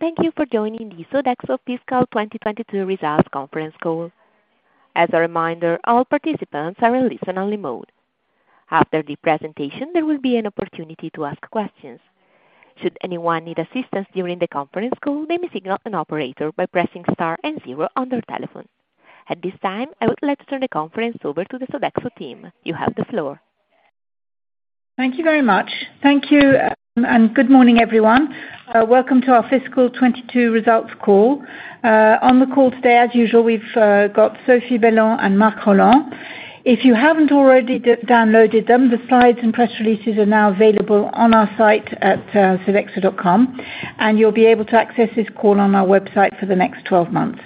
Thank you for joining the Sodexo Fiscal 2022 Results Conference Call. As a reminder, all participants are in listen-only mode. After the presentation, there will be an opportunity to ask questions. Should anyone need assistance during the conference call, they may signal an operator by pressing star and zero on their telephone. At this time, I would like to turn the conference over to the Sodexo team. You have the floor. Thank you very much. Thank you, and good morning, everyone. Welcome to our fiscal 2022 results call. On the call today, as usual, we've got Sophie Bellon and Marc Rolland. If you haven't already downloaded them, the slides and press releases are now available on our site at sodexo.com, and you'll be able to access this call on our website for the next 12 months.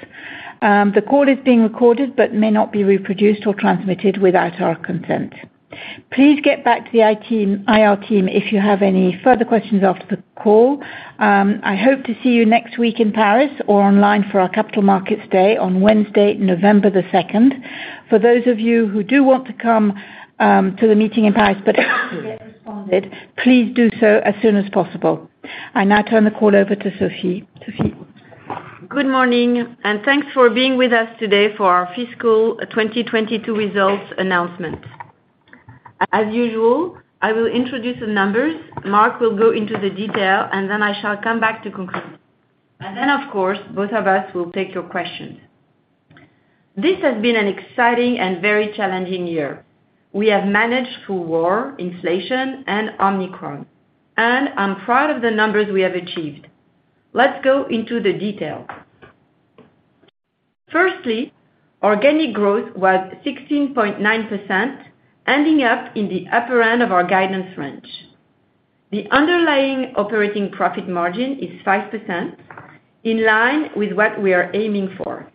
The call is being recorded but may not be reproduced or transmitted without our consent. Please get back to the IR team if you have any further questions after the call. I hope to see you next week in Paris or online for our Capital Markets Day on Wednesday, November 2nd. For those of you who do want to come to the meeting in Paris but responded, please do so as soon as possible. I now turn the call over to Sophie. Sophie? Good morning, and thanks for being with us today for our fiscal 2022 results announcement. As usual, I will introduce the numbers, Marc will go into the detail, and then I shall come back to conclude. Then, of course, both of us will take your questions. This has been an exciting and very challenging year. We have managed through war, inflation, and Omicron, and I'm proud of the numbers we have achieved. Let's go into the details. Firstly, organic growth was 16.9%, ending up in the upper end of our guidance range. The underlying operating profit margin is 5%, in line with what we are aiming for.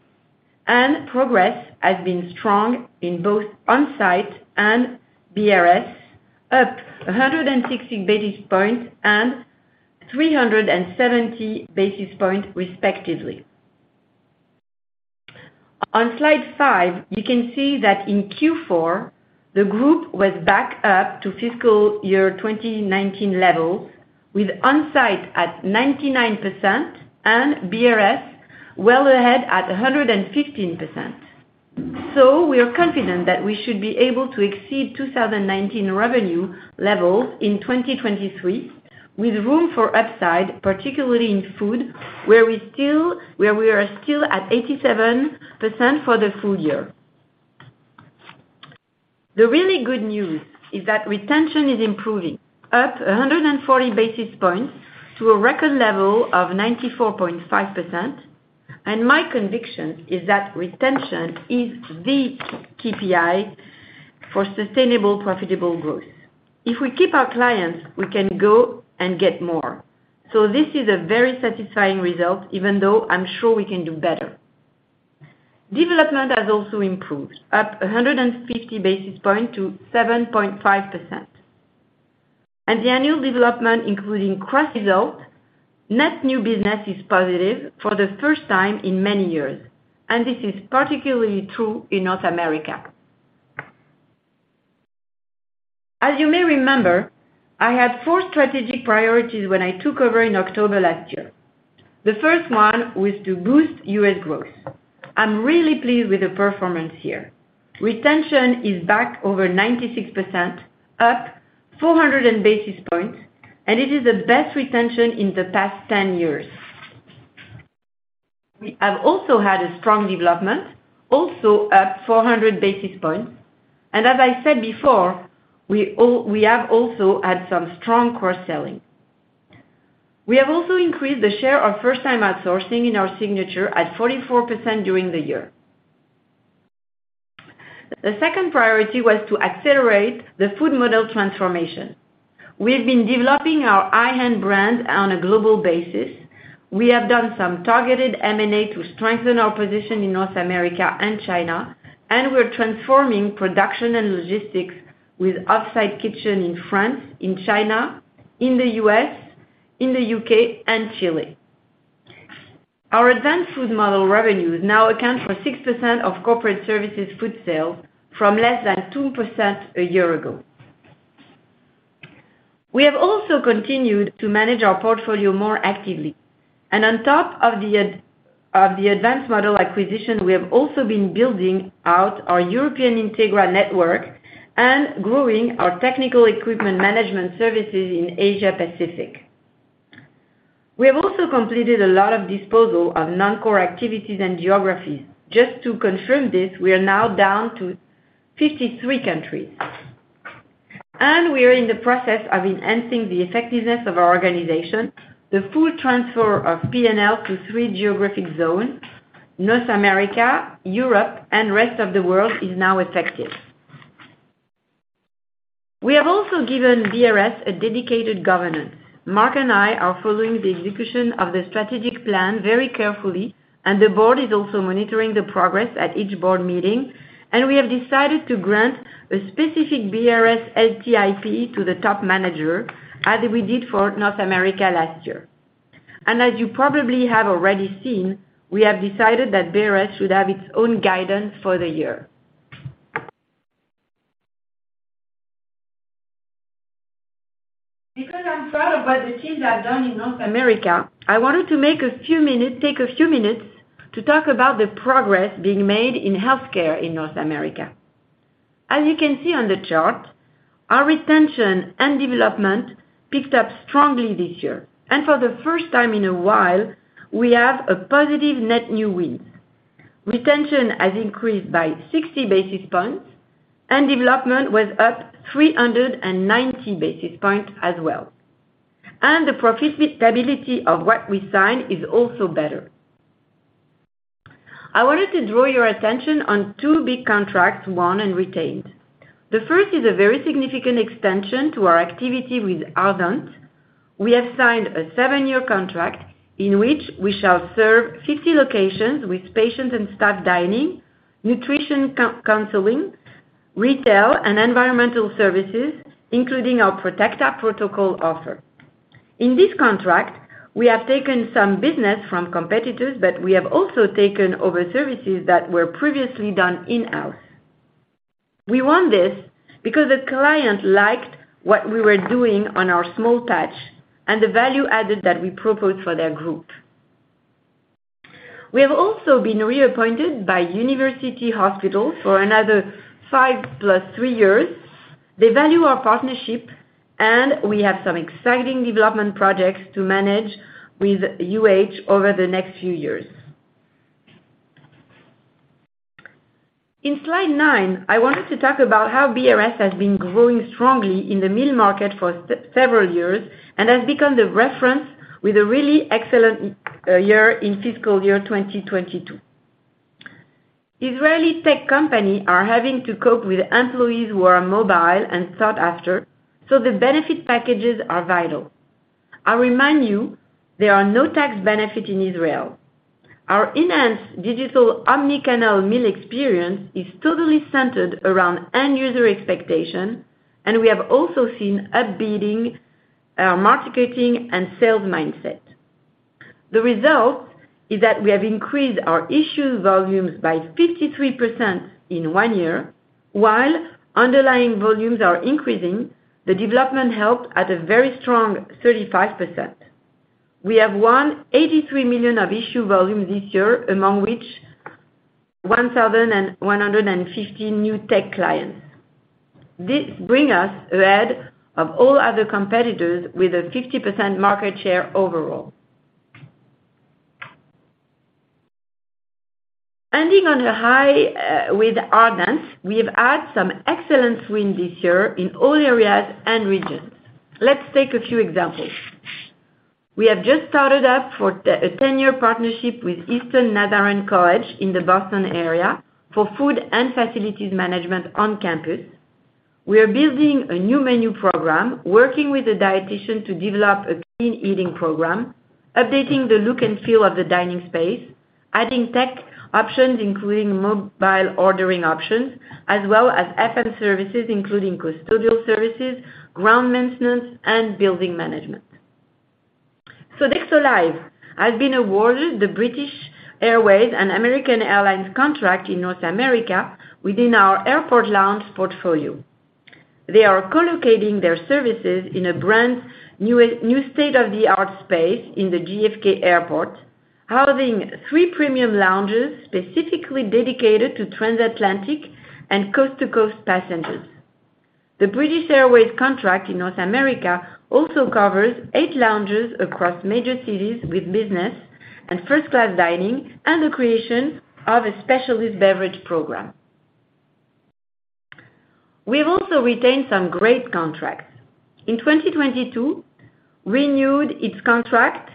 Progress has been strong in both on-site and BRS, up 160 basis points and 370 basis points respectively. On slide five, you can see that in Q4, the group was back up to fiscal year 2019 levels with on-site at 99% and BRS well ahead at 115%. We are confident that we should be able to exceed 2019 revenue levels in 2023, with room for upside, particularly in food, where we are still at 87% for the full year. The really good news is that retention is improving, up 140 basis points to a record level of 94.5%, and my conviction is that retention is the KPI for sustainable, profitable growth. If we keep our clients, we can go and get more. This is a very satisfying result, even though I'm sure we can do better. Development has also improved, up 150 basis points to 7.5%. The annual development, including cross-sell, net new business, is positive for the first time in many years, and this is particularly true in North America. As you may remember, I had four strategic priorities when I took over in October last year. The first one was to boost U.S. Growth. I'm really pleased with the performance here. Retention is back over 96%, up 400 basis points, and it is the best retention in the past 10 years. We have also had a strong development, also up 400 basis points. As I said before, we have also had some strong cross-selling. We have also increased the share of first-time outsourcing in our signings at 44% during the year. The second priority was to accelerate the food model transformation. We've been developing our [inadible] on a global basis. We have done some targeted M&A to strengthen our position in North America and China, and we're transforming production and logistics with off-site kitchen in France, in China, in the U.S., in the U.K., and Chile. Our advanced food model revenues now account for 6% of Corporate Services food sales from less than 2% a year ago. We have also continued to manage our portfolio more actively. On top of the advanced model acquisition, we have also been building out our European Entegra network and growing our technical equipment management services in Asia Pacific. We have also completed a lot of disposal of non-core activities and geographies. Just to confirm this, we are now down to 53 countries. We are in the process of enhancing the effectiveness of our organization. The full transfer of P&L to three geographic zones, North America, Europe, and Rest of the World, is now effective. We have also given BRS a dedicated governance. Marc and I are following the execution of the strategic plan very carefully, and the board is also monitoring the progress at each board meeting, and we have decided to grant a specific BRS LTIP to the top manager as we did for North America last year. As you probably have already seen, we have decided that BRS should have its own guidance for the year. Because I'm proud of what the teams have done in North America, I wanted to take a few minutes to talk about the progress being made in healthcare in North America. As you can see on the chart, our retention and development picked up strongly this year. For the first time in a while, we have a positive net new win. Retention has increased by 60 basis points, and development was up 390 basis points as well. The profitability of what we signed is also better. I wanted to draw your attention on two big contracts won and retained. The first is a very significant extension to our activity with Ardent Health Services. We have signed a seven-year contract in which we shall serve 50 locations with patient and staff dining, nutrition counseling, retail, and environmental services, including our Protecta Protocol offer. In this contract, we have taken some business from competitors, but we have also taken over services that were previously done in-house. We won this because the client liked what we were doing on our small touch and the value added that we proposed for their group. We have also been reappointed by University Hospitals for another 5+3 years. They value our partnership, and we have some exciting development projects to manage with UH over the next few years. In slide nine, I wanted to talk about how BRS has been growing strongly in the meal market for several years and has become the reference with a really excellent year in fiscal year 2022. Israeli tech companies are having to cope with employees who are mobile and sought after, so the benefit packages are vital. I remind you there are no tax benefits in Israel. Our enhanced digital omni-channel meal experience is totally centered around end user expectation, and we have also seen up-bidding our marketing and sales mindset. The result is that we have increased our issue volumes by 53% in one year, while underlying volumes are increasing, the development helped at a very strong 35%. We have won 83 million of issue volume this year, among which 1,150 new tech clients. This bring us ahead of all other competitors with a 50% market share overall. Ending on a high, with Ardent, we have had some excellent win this year in all areas and regions. Let's take a few examples. We have just started up a 10-year partnership with Eastern Nazarene College in the Boston area for food and facilities management on campus. We are building a new menu program, working with a dietician to develop a clean eating program, updating the look and feel of the dining space, adding tech options, including mobile ordering options, as well as FM services, including custodial services, ground maintenance, and building management. Sodexo Live! has been awarded the British Airways and American Airlines contract in North America within our airport lounge portfolio. They are co-locating their services in a brand new state-of-the-art space in the JFK Airport, housing three premium lounges specifically dedicated to trans-Atlantic and coast-to-coast passengers. The British Airways contract in North America also covers eight lounges across major cities with business and first class dining and the creation of a specialist beverage program. We've also retained some great contracts. In 2022, renewed its contract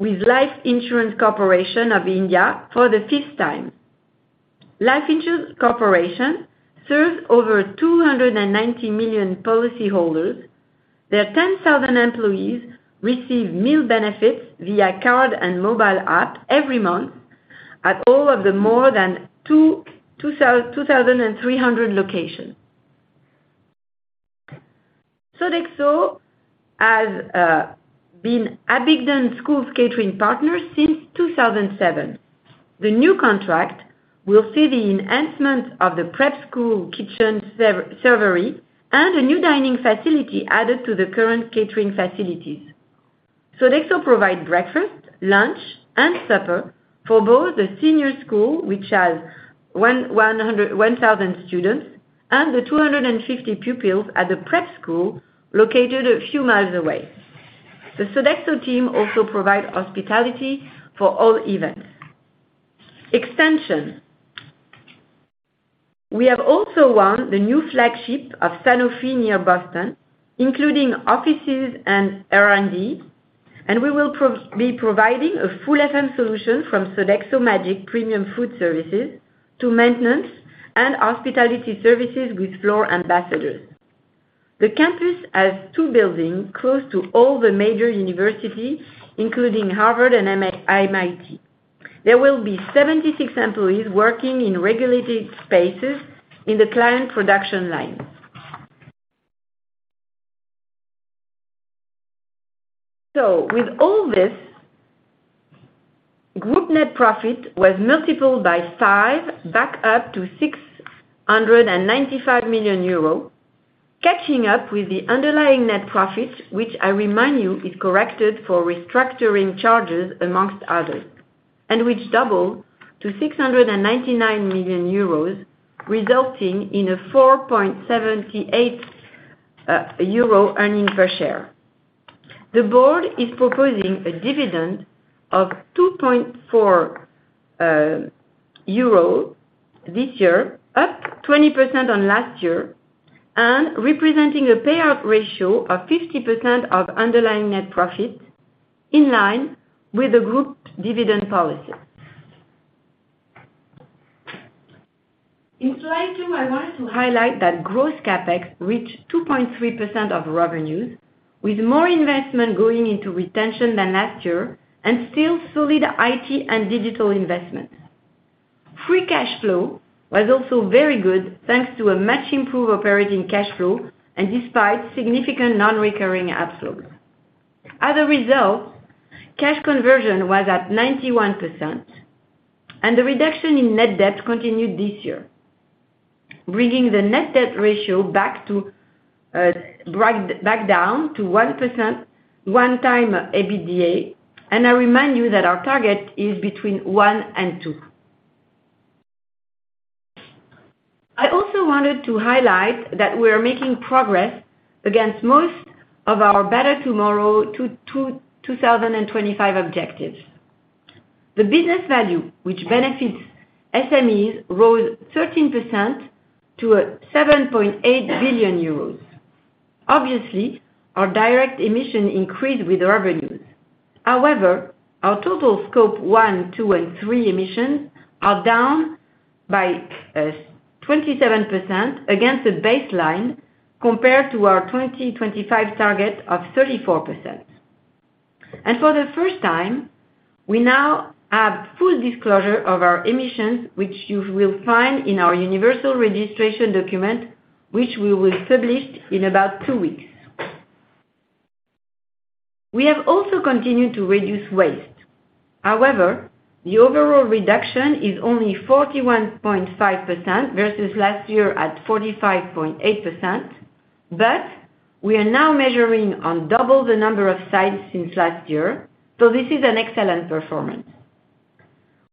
with Life Insurance Corporation of India for the fifth time. Life Insurance Corporation serves over 290 million policy holders. Their 10,000 employees receive meal benefits via card and mobile app every month at all of the more than 2,300 locations. Sodexo has been Abingdon School's catering partner since 2007. The new contract will see the enhancement of the prep school kitchen servery and a new dining facility added to the current catering facilities. Sodexo provide breakfast, lunch, and supper for both the senior school, which has 1,000 students, and the 250 pupils at the prep school located a few miles away. The Sodexo team also provide hospitality for all events. Extension. We have also won the new flagship of Sanofi near Boston, including offices and R&D, and we will be providing a full FM solution from Sodexo Magic premium food services to maintenance and hospitality services with floor ambassadors. The campus has two buildings close to all the major universities, including Harvard and MIT. There will be 76 employees working in regulated spaces in the client production lines. With all this, group net profit was multiplied by 5 back up to 695 million euros, catching up with the underlying net profits, which I remind you is corrected for restructuring charges among others, and which doubled to 699 million euros, resulting in a 4.78 euro earnings per share. The board is proposing a dividend of 2.4 euro this year, up 20% on last year and representing a payout ratio of 50% of underlying net profit in line with the group dividend policy. In slide two, I wanted to highlight that gross CapEx reached 2.3% of revenues, with more investment going into retention than last year and still solid IT and digital investment. Free cash flow was also very good, thanks to a much improved operating cash flow and despite significant non-recurring outflows. As a result, cash conversion was at 91%, and the reduction in net debt continued this year, bringing the net debt ratio back down to 1%, 1x EBITDA. I remind you that our target is between one and two. I also wanted to highlight that we are making progress against most of our Better Tomorrow 2025 objectives. The business value which benefits SMEs rose 13% to 7.8 billion euros. Obviously, our direct emission increased with revenues. However, our total scope one, two, and three emissions are down by 27% against a baseline compared to our 2025 target of 34%. For the first time, we now have full disclosure of our emissions, which you will find in our universal registration document, which we will publish in about two weeks. We have also continued to reduce waste. However, the overall reduction is only 41.5% versus last year at 45.8%. We are now measuring on double the number of sites since last year, so this is an excellent performance.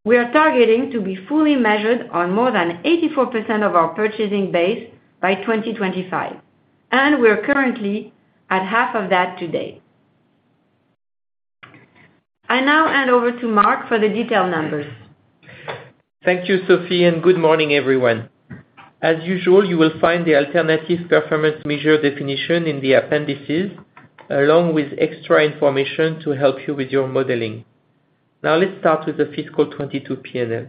We are targeting to be fully measured on more than 84% of our purchasing base by 2025, and we are currently at half of that today. I now hand over to Marc for the detailed numbers. Thank you, Sophie, and good morning, everyone. As usual, you will find the alternative performance measure definition in the appendices, along with extra information to help you with your modeling. Now let's start with the fiscal 2022 P&L.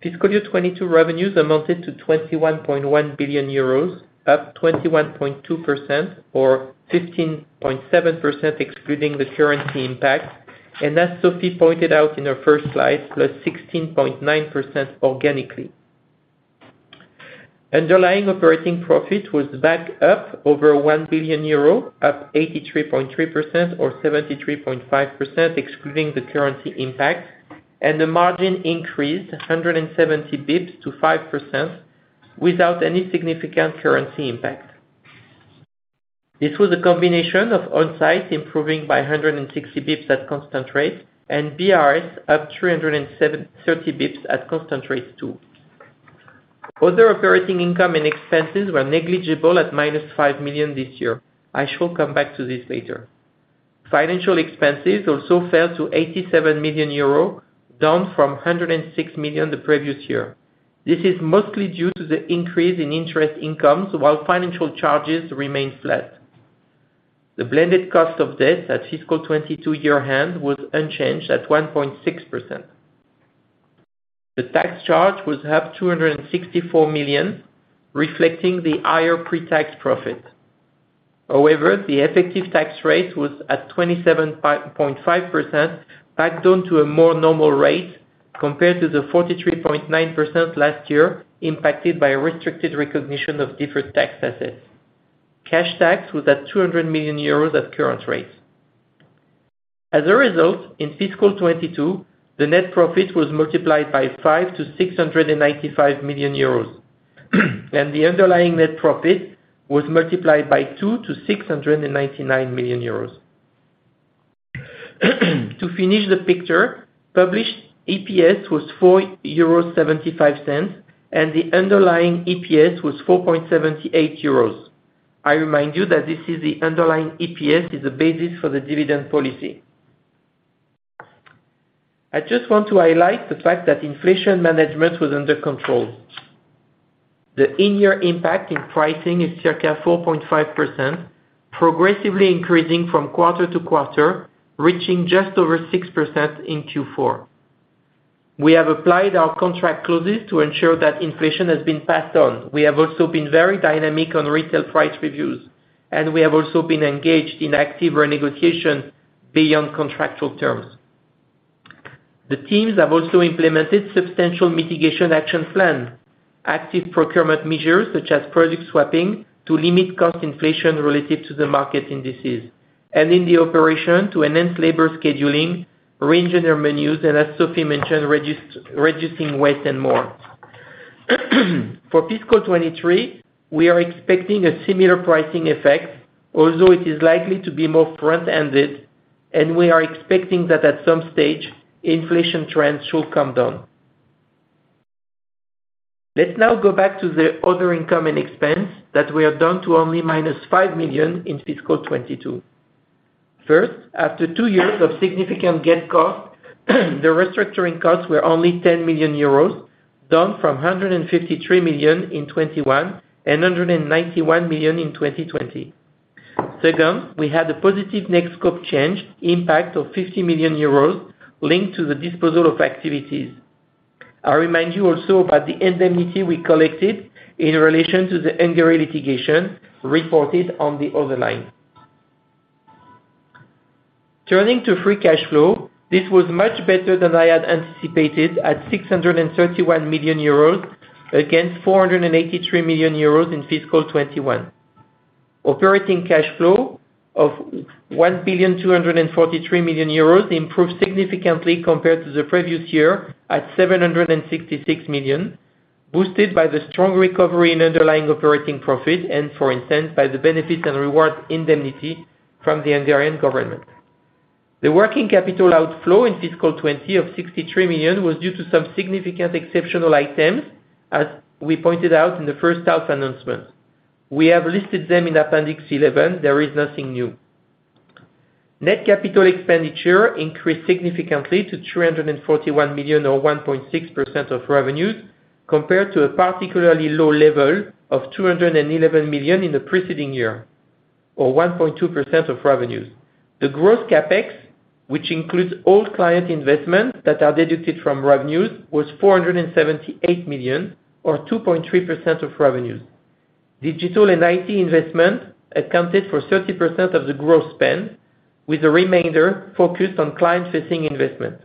Fiscal year 2022 revenues amounted to 21.1 billion euros, up 21.2% or 15.7% excluding the currency impact. As Sophie pointed out in her first slide, plus 16.9% organically. Underlying operating profit was back up over 1 billion euro, up 83.3% or 73.5% excluding the currency impact, and the margin increased 170 basis points to 5% without any significant currency impact. This was a combination of onsite improving by 160 basis points at constant rates and BRS up 30 basis points at constant rates too. Other operating income and expenses were negligible at -5 million this year. I shall come back to this later. Financial expenses also fell to 87 million euro, down from 106 million the previous year. This is mostly due to the increase in interest income while financial charges remained flat. The blended cost of debt at fiscal 2022 year-end was unchanged at 1.6%. The tax charge was up 264 million, reflecting the higher pre-tax profit. However, the effective tax rate was at 27.5%, back down to a more normal rate compared to the 43.9% last year impacted by restricted recognition of deferred tax assets. Cash tax was at 200 million euros at current rates. As a result, in fiscal 2022, the net profit was multiplied by 5 to 695 million euros, and the underlying net profit was multiplied by 2 to 699 million euros. To finish the picture, published EPS was 4.75 euros, and the underlying EPS was 4.78 euros. I remind you that this, the underlying EPS, is the basis for the dividend policy. I just want to highlight the fact that inflation management was under control. The in-year impact in pricing is circa 4.5%, progressively increasing from quarter to quarter, reaching just over 6% in Q4. We have applied our contract clauses to ensure that inflation has been passed on. We have also been very dynamic on retail price reviews, and we have also been engaged in active renegotiation beyond contractual terms. The teams have also implemented substantial mitigation action plan, active procurement measures such as product swapping to limit cost inflation relative to the market indices, and in operations to enhance labor scheduling, range in their menus, and as Sophie mentioned, reducing waste and more. For fiscal 2023, we are expecting a similar pricing effect, although it is likely to be more front-ended, and we are expecting that at some stage inflation trends should come down. Let's now go back to the other income and expense that we are down to only -5 million in fiscal 2022. First, after two years of significant GET cost, the restructuring costs were only 10 million euros, down from E153 million in 2021 and 191 million in 2020. Second, we had a positive next Scope Change impact of 50 million euros linked to the disposal of activities. I remind you also about the indemnity we collected in relation to the Hungary litigation reported on the other line. Turning to free cash flow, this was much better than I had anticipated at 631 million euros against 483 million in fiscal 2021. Operating cash flow of 1,243 million euros improved significantly compared to the previous year at 766 million, boosted by the strong recovery in underlying operating profit and for instance, by the Benefits & Rewards s indemnity from the Hungarian government. The working capital outflow in fiscal 2020 of 63 million was due to some significant exceptional items, as we pointed out in the first half announcement. We have listed them in appendix 11. There is nothing new. Net capital expenditure increased significantly to 341 million or 1.6% of revenues compared to a particularly low level of 211 million in the preceding year, or 1.2% of revenues. The gross CapEx, which includes all client investments that are deducted from revenues, was 478 million or 2.3% of revenues. Digital and IT investment accounted for 30% of the growth spend, with the remainder focused on client-facing investment.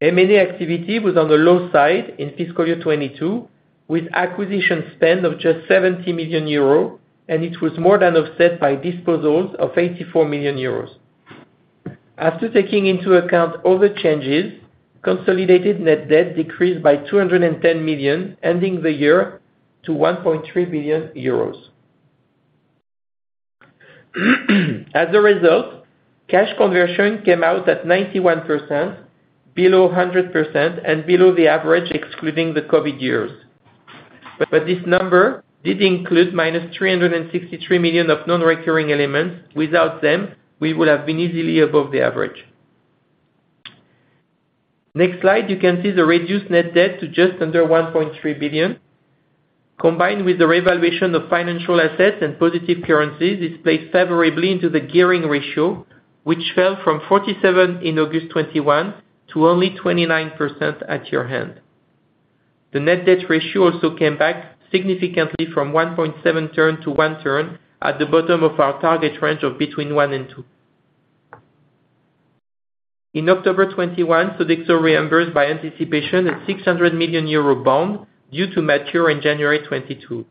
M&A activity was on the low side in fiscal year 2022, with acquisition spend of just 70 million euros, and it was more than offset by disposals of 84 million euros. After taking into account other changes, consolidated net debt decreased by 210 million, ending the year to 1.3 billion euros. As a result, cash conversion came out at 91%, below 100% and below the average excluding the COVID years. This number did include -363 million of non-recurring elements. Without them, we would have been easily above the average. Next slide, you can see the reduced net debt to just under 1.3 billion. Combined with the revaluation of financial assets and positive currencies, this plays favorably into the gearing ratio, which fell from 47% in August 2021 to only 29% at year-end. The net debt ratio also came back significantly from 1.7x to 1x at the bottom of our target range of between 1x and 2x. In October 2021, Sodexo reimbursed by anticipation a 600 million euro bond due to mature in January 2022.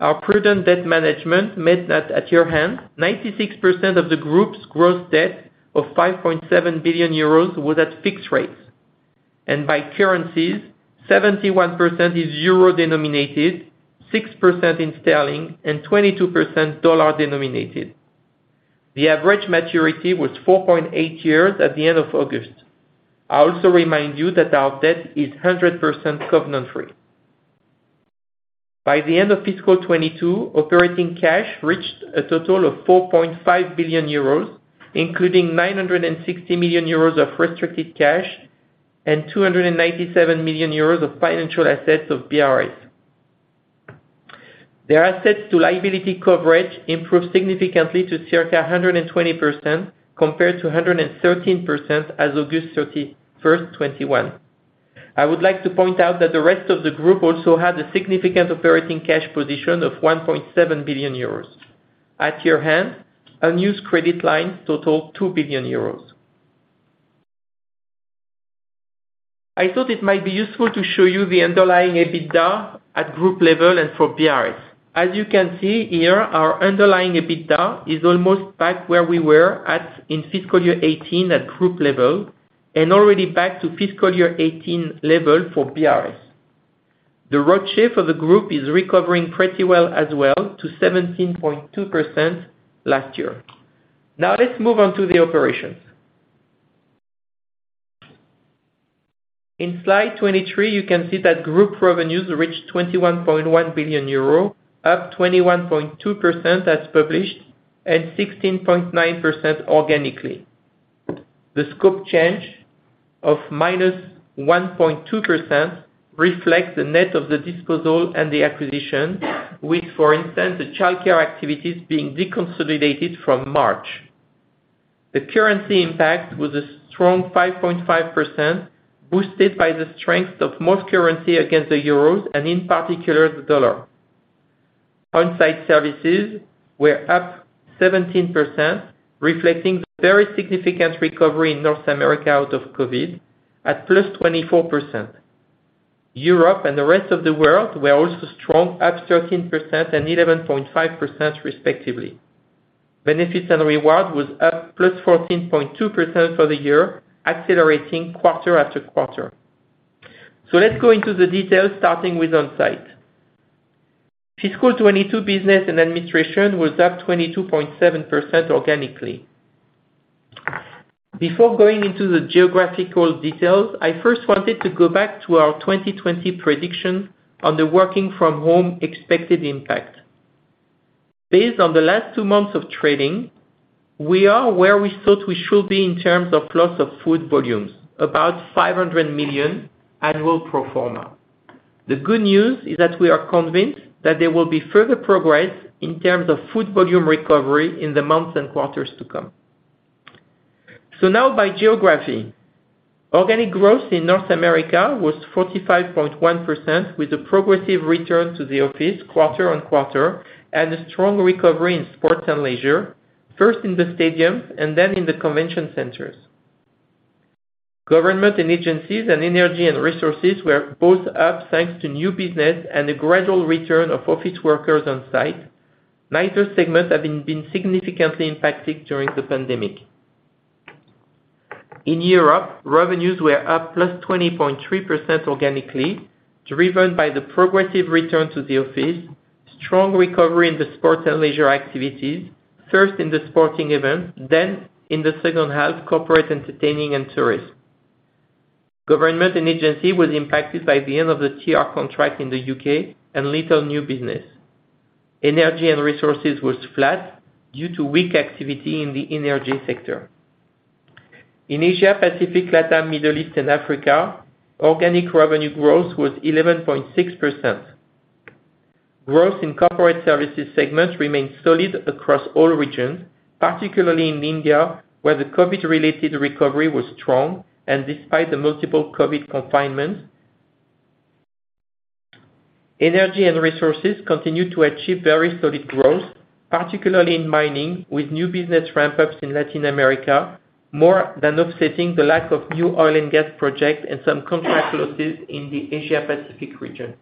Our prudent debt management meant that at year-end, 96% of the group's gross debt of 5.7 billion euros was at fixed rates, and by currencies, 71% is euro-denominated, 6% in Sterling, and 22% dollar-denominated. The average maturity was 4.8 years at the end of August. I also remind you that our debt is 100% covenant free. By the end of fiscal 2022, operating cash reached a total of 4.5 billion euros, including 960 million of restricted cash and 297 million euros of financial assets of BRS. The assets to liability coverage improved significantly to circa 120% compared to 113% as August 31, 2021. I would like to point out that the rest of the group also had a significant operating cash position of 1.7 billion euros. At year-end, unused credit lines totaled 2 billion euros. I thought it might be useful to show you the underlying EBITDA at group level and for BRS. As you can see here, our underlying EBITDA is almost back where we were at in fiscal year 2018 at group level and already back to fiscal year 2018 level for BRS. The road shape of the group is recovering pretty well as well to 17.2% last year. Now let's move on to the operations. In slide 23, you can see that group revenues reached 21.1 billion euro, up 21.2% as published and 16.9% organically. The Scope Change of -1.2% reflects the net of the disposal and the acquisition with, for instance, the childcare activities being deconsolidated from March. The currency impact was a strong 5.5%, boosted by the strength of most currencies against the euro and in particular the dollar. On-Site Services were up 17%, reflecting very significant recovery in North America out of COVID at +24%. Europe and the Rest of the World were also strong, up 13% and 11.5% respectively. Benefits & Rewards s was up +14.2% for the year, accelerating quarter after quarter. Let's go into the details starting with on-site. Fiscal 2022 Business & Administration was up 22.7% organically. Before going into the geographical details, I first wanted to go back to our 2020 prediction on the working from home expected impact. Based on the last two months of trading, we are where we thought we should be in terms of loss of food volumes, about 500 million annual pro forma. The good news is that we are convinced that there will be further progress in terms of food volume recovery in the months and quarters to come. Now by geography. Organic growth in North America was 45.1% with a progressive return to the office quarter-on-quarter and a strong recovery in Sports & Leisure, first in the stadiums and then in the convention centers. Government & Agencies and energy and resources were both up thanks to new business and a gradual return of office workers on site. Neither segment have been significantly impacted during the pandemic. In Europe, revenues were up +20.3% organically, driven by the progressive return to the office, strong recovery in the Sports & Leisure activities, first in the sporting event, then in the second half, corporate entertaining and tourism. Government and agency was impacted by the end of the TR contract in the UK and little new business. Energy and resources was flat due to weak activity in the energy sector. In Asia, Pacific, Latam, Middle East and Africa, Organic Revenue Growth was 11.6%. Growth in Corporate Services segment remained solid across all regions, particularly in India, where the COVID related recovery was strong and despite the multiple COVID confinements. Energy and resources continued to achieve very solid growth, particularly in mining, with new business ramp-ups in Latin America, more than offsetting the lack of new oil and gas projects and some contract losses in the Asia Pacific region.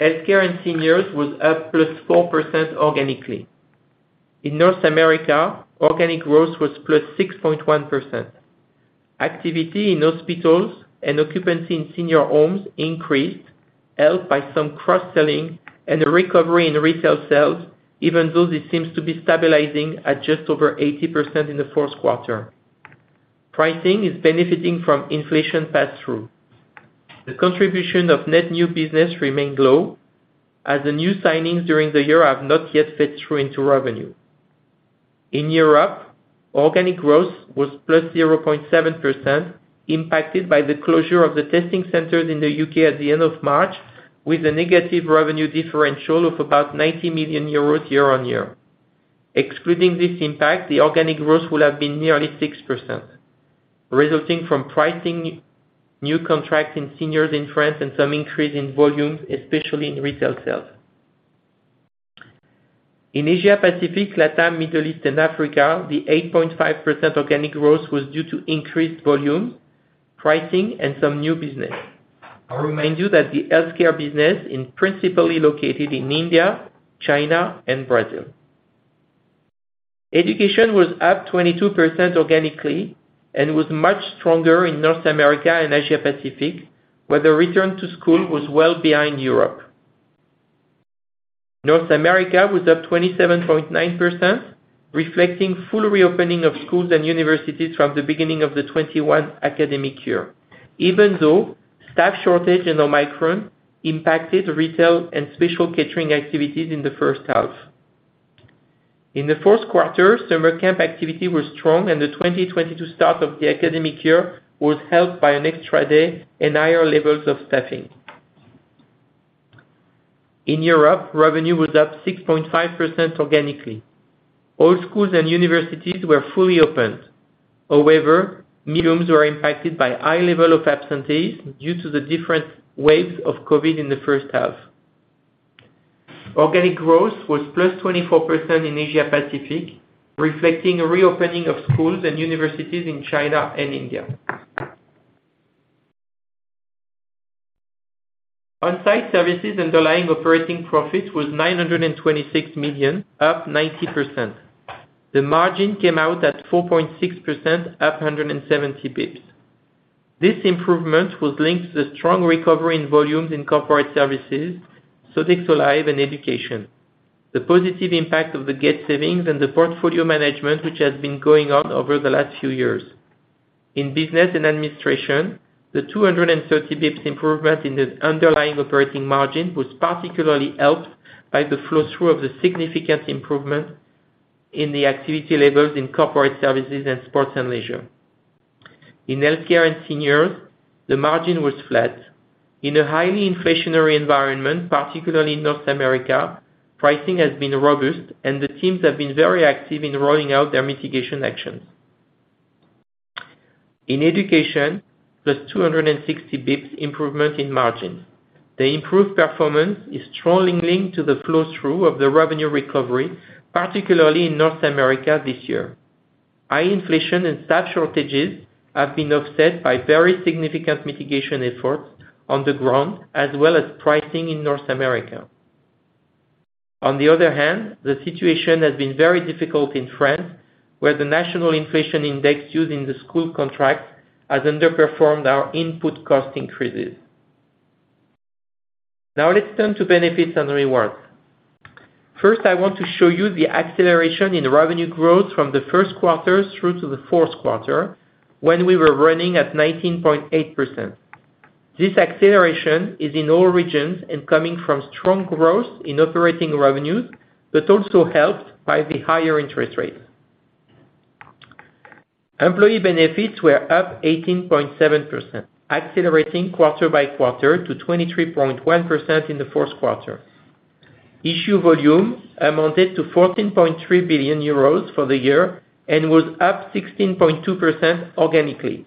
Healthcare & Seniors was up +4% organically. In North America, organic growth was +6.1%. Activity in hospitals and occupancy in senior homes increased, helped by some cross-selling and a recovery in retail sales, even though this seems to be stabilizing at just over 80% in the fourth quarter. Pricing is benefiting from inflation pass-through. The contribution of net new business remained low as the new signings during the year have not yet fed through into revenue. In Europe, organic growth was +0.7%, impacted by the closure of the testing centers in the UK at the end of March with a negative revenue differential of about 90 million euros year-on-year. Excluding this impact, the organic growth would have been nearly 6%, resulting from pricing new contracts in seniors in France and some increase in volumes, especially in retail sales. In Asia, Pacific, Latam, Middle East and Africa, the 8.5% organic growth was due to increased volumes, pricing and some new business. I remind you that the healthcare business is principally located in India, China and Brazil. Education was up 22% organically and was much stronger in North America and Asia-Pacific, where the return to school was well behind Europe. North America was up 27.9%, reflecting full reopening of schools and universities from the beginning of the 2021 academic year, even though staff shortage and Omicron impacted retail and special catering activities in the first half. In the fourth quarter, summer camp activity was strong and the 2022 start of the academic year was helped by an extra day and higher levels of staffing. In Europe, revenue was up 6.5% organically. All schools and universities were fully opened. However, meals were impacted by high level of absenteeism due to the different waves of COVID in the first half. Organic growth was +24% in Asia-Pacific, reflecting a reopening of schools and universities in China and India. On-Site Services underlying operating profit was 926 million, up 90%. The margin came out at 4.6%, up 170 basis points. This improvement was linked to the strong recovery in volumes in Corporate Services, Sodexo Live! and Education. The positive impact of the GET savings and the portfolio management, which has been going on over the last few years. In business and administration, the 230 basis points improvement in the underlying operating margin was particularly helped by the flow-through of the significant improvement in the activity levels in Corporate Services and Sports & Leisure. In Healthcare & Seniors, the margin was flat. In a highly inflationary environment, particularly in North America, pricing has been robust and the teams have been very active in rolling out their mitigation actions. In education, plus 260 basis points improvement in margins. The improved performance is strongly linked to the flow-through of the revenue recovery, particularly in North America this year. High inflation and staff shortages have been offset by very significant mitigation efforts on the ground as well as pricing in North America. On the other hand, the situation has been very difficult in France, where the national inflation index used in the school contract has underperformed our input cost increases. Now let's turn to Benefits & Rewards s. First, I want to show you the acceleration in revenue growth from the first quarter through to the fourth quarter, when we were running at 19.8%. This acceleration is in all regions and coming from strong growth in operating revenues, but also helped by the higher interest rates. Employee benefits were up 18.7%, accelerating quarter by quarter to 23.1% in the fourth quarter. Issue volumes amounted to 14.3 billion euros for the year and was up 16.2% organically,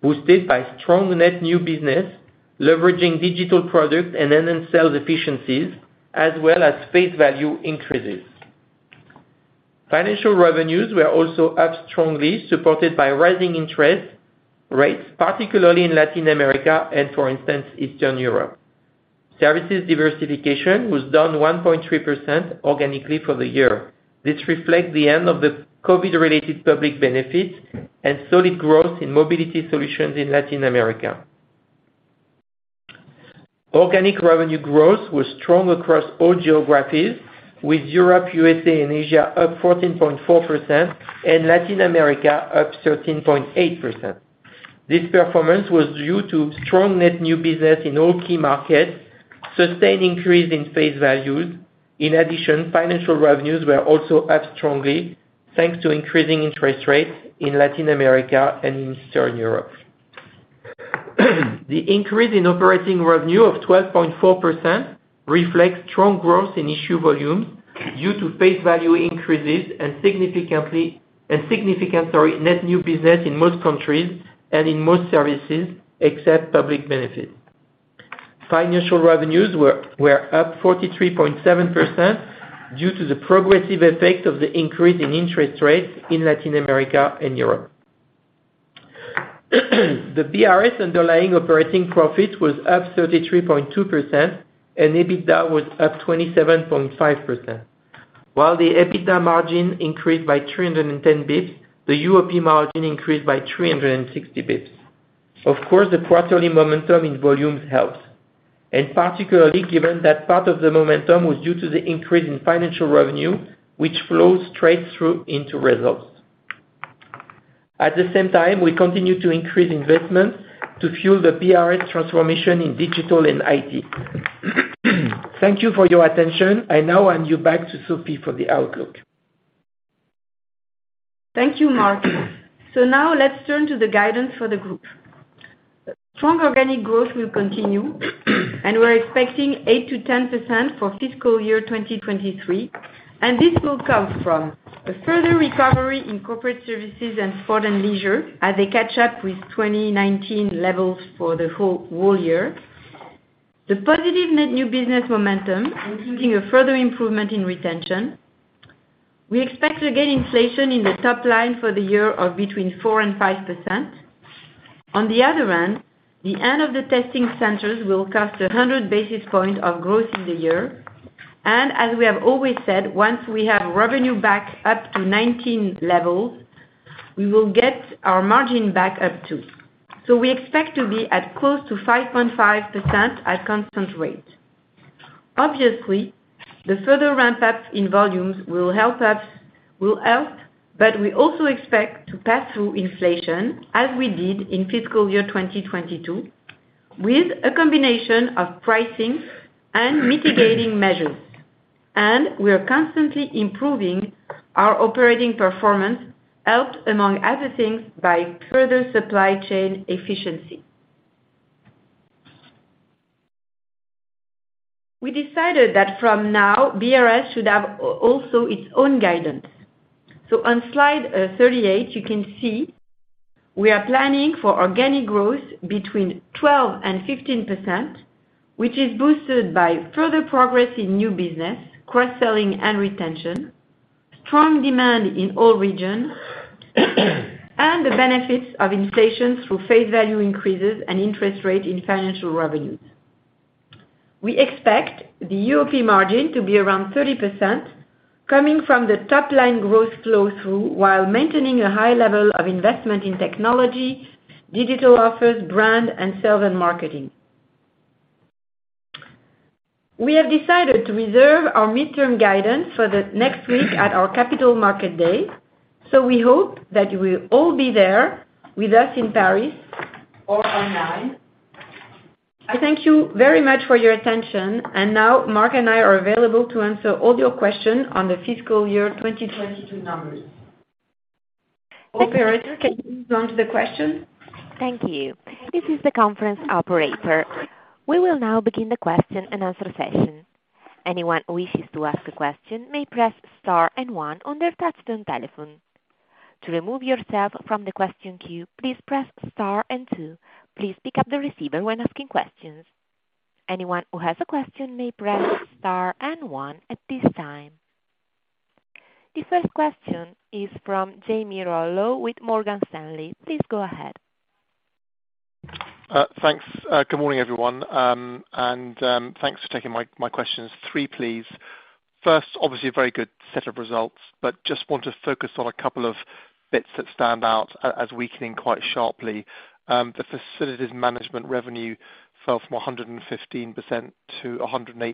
boosted by strong net new business, leveraging digital products and end-in-sales efficiencies, as well as face value increases. Financial revenues were also up strongly, supported by rising interest rates, particularly in Latin America and for instance, Eastern Europe. Services diversification was down 1.3% organically for the year. This reflects the end of the COVID-related public benefits and solid growth in mobility solutions in Latin America. Organic Revenue Growth was strong across all geographies, with Europe, USA and Asia up 14.4% and Latin America up 13.8%. This performance was due to strong net new business in all key markets, sustained increase in face values. In addition, financial revenues were also up strongly, thanks to increasing interest rates in Latin America and in Eastern Europe. The increase in operating revenue of 12.4% reflects strong growth in issue volumes due to face value increases and significant net new business in most countries and in most services, except public benefits. Financial revenues were up 43.7% due to the progressive effect of the increase in interest rates in Latin America and Europe. The BRS underlying operating profit was up 33.2%, and EBITDA was up 27.5%. While the EBITDA margin increased by 310 basis points, the UOP margin increased by 360 basis points. Of course, the quarterly momentum in volumes helped, and particularly given that part of the momentum was due to the increase in financial revenue, which flows straight through into results. At the same time, we continue to increase investment to fuel the BRS transformation in digital and IT. Thank you for your attention. I now hand you back to Sophie for the outlook. Thank you, Marc. Now let's turn to the guidance for the group. Strong organic growth will continue, and we're expecting 8%-10% for fiscal year 2023, and this will come from a further recovery in Corporate Services and sport and leisure as they catch up with 2019 levels for the whole year. The positive net new business momentum, including a further improvement in retention. We expect to gain inflation in the top line for the year of between 4% and 5%. On the other hand, the end of the testing centers will cost 100 basis points of growth in the year. As we have always said, once we have revenue back up to 2019 levels, we will get our margin back up too. We expect to be at close to 5.5% at constant rate. Obviously, the further ramp up in volumes will help, but we also expect to pass through inflation as we did in fiscal year 2022, with a combination of pricing and mitigating measures. We are constantly improving our operating performance, helped, among other things, by further supply chain efficiency. We decided that from now, BRS should have also its own guidance. On slide 38, you can see we are planning for organic growth between 12% and 15%, which is boosted by further progress in new business, cross-selling and retention, strong demand in all regions and the benefits of inflation through face value increases and interest rate in financial revenues. We expect the UOP margin to be around 30% coming from the top line growth flow through, while maintaining a high level of investment in technology, digital offers, brand and sales and marketing. We have decided to reserve our midterm guidance for the next week at our Capital Market Week. We hope that you will all be there with us in Paris or online. I thank you very much for your attention. Now Marc and I are available to answer all your questions on the fiscal year 2022 numbers. Operator, can you move on to the question? Thank you. This is the conference operator. We will now begin the question and answer session. Anyone who wishes to ask a question may press star and one on their touchtone telephone. To remove yourself from the question queue, please press star and two. Please pick up the receiver when asking questions. Anyone who has a question may press star and one at this time. The first question is from Jamie Rollo with Morgan Stanley. Please go ahead. Thanks. Good morning, everyone. Thanks for taking my questions. Three, please. First, obviously a very good set of results, but just want to focus on a couple of bps that stand out as weakening quite sharply. The facilities management revenue fell from 115% to 108%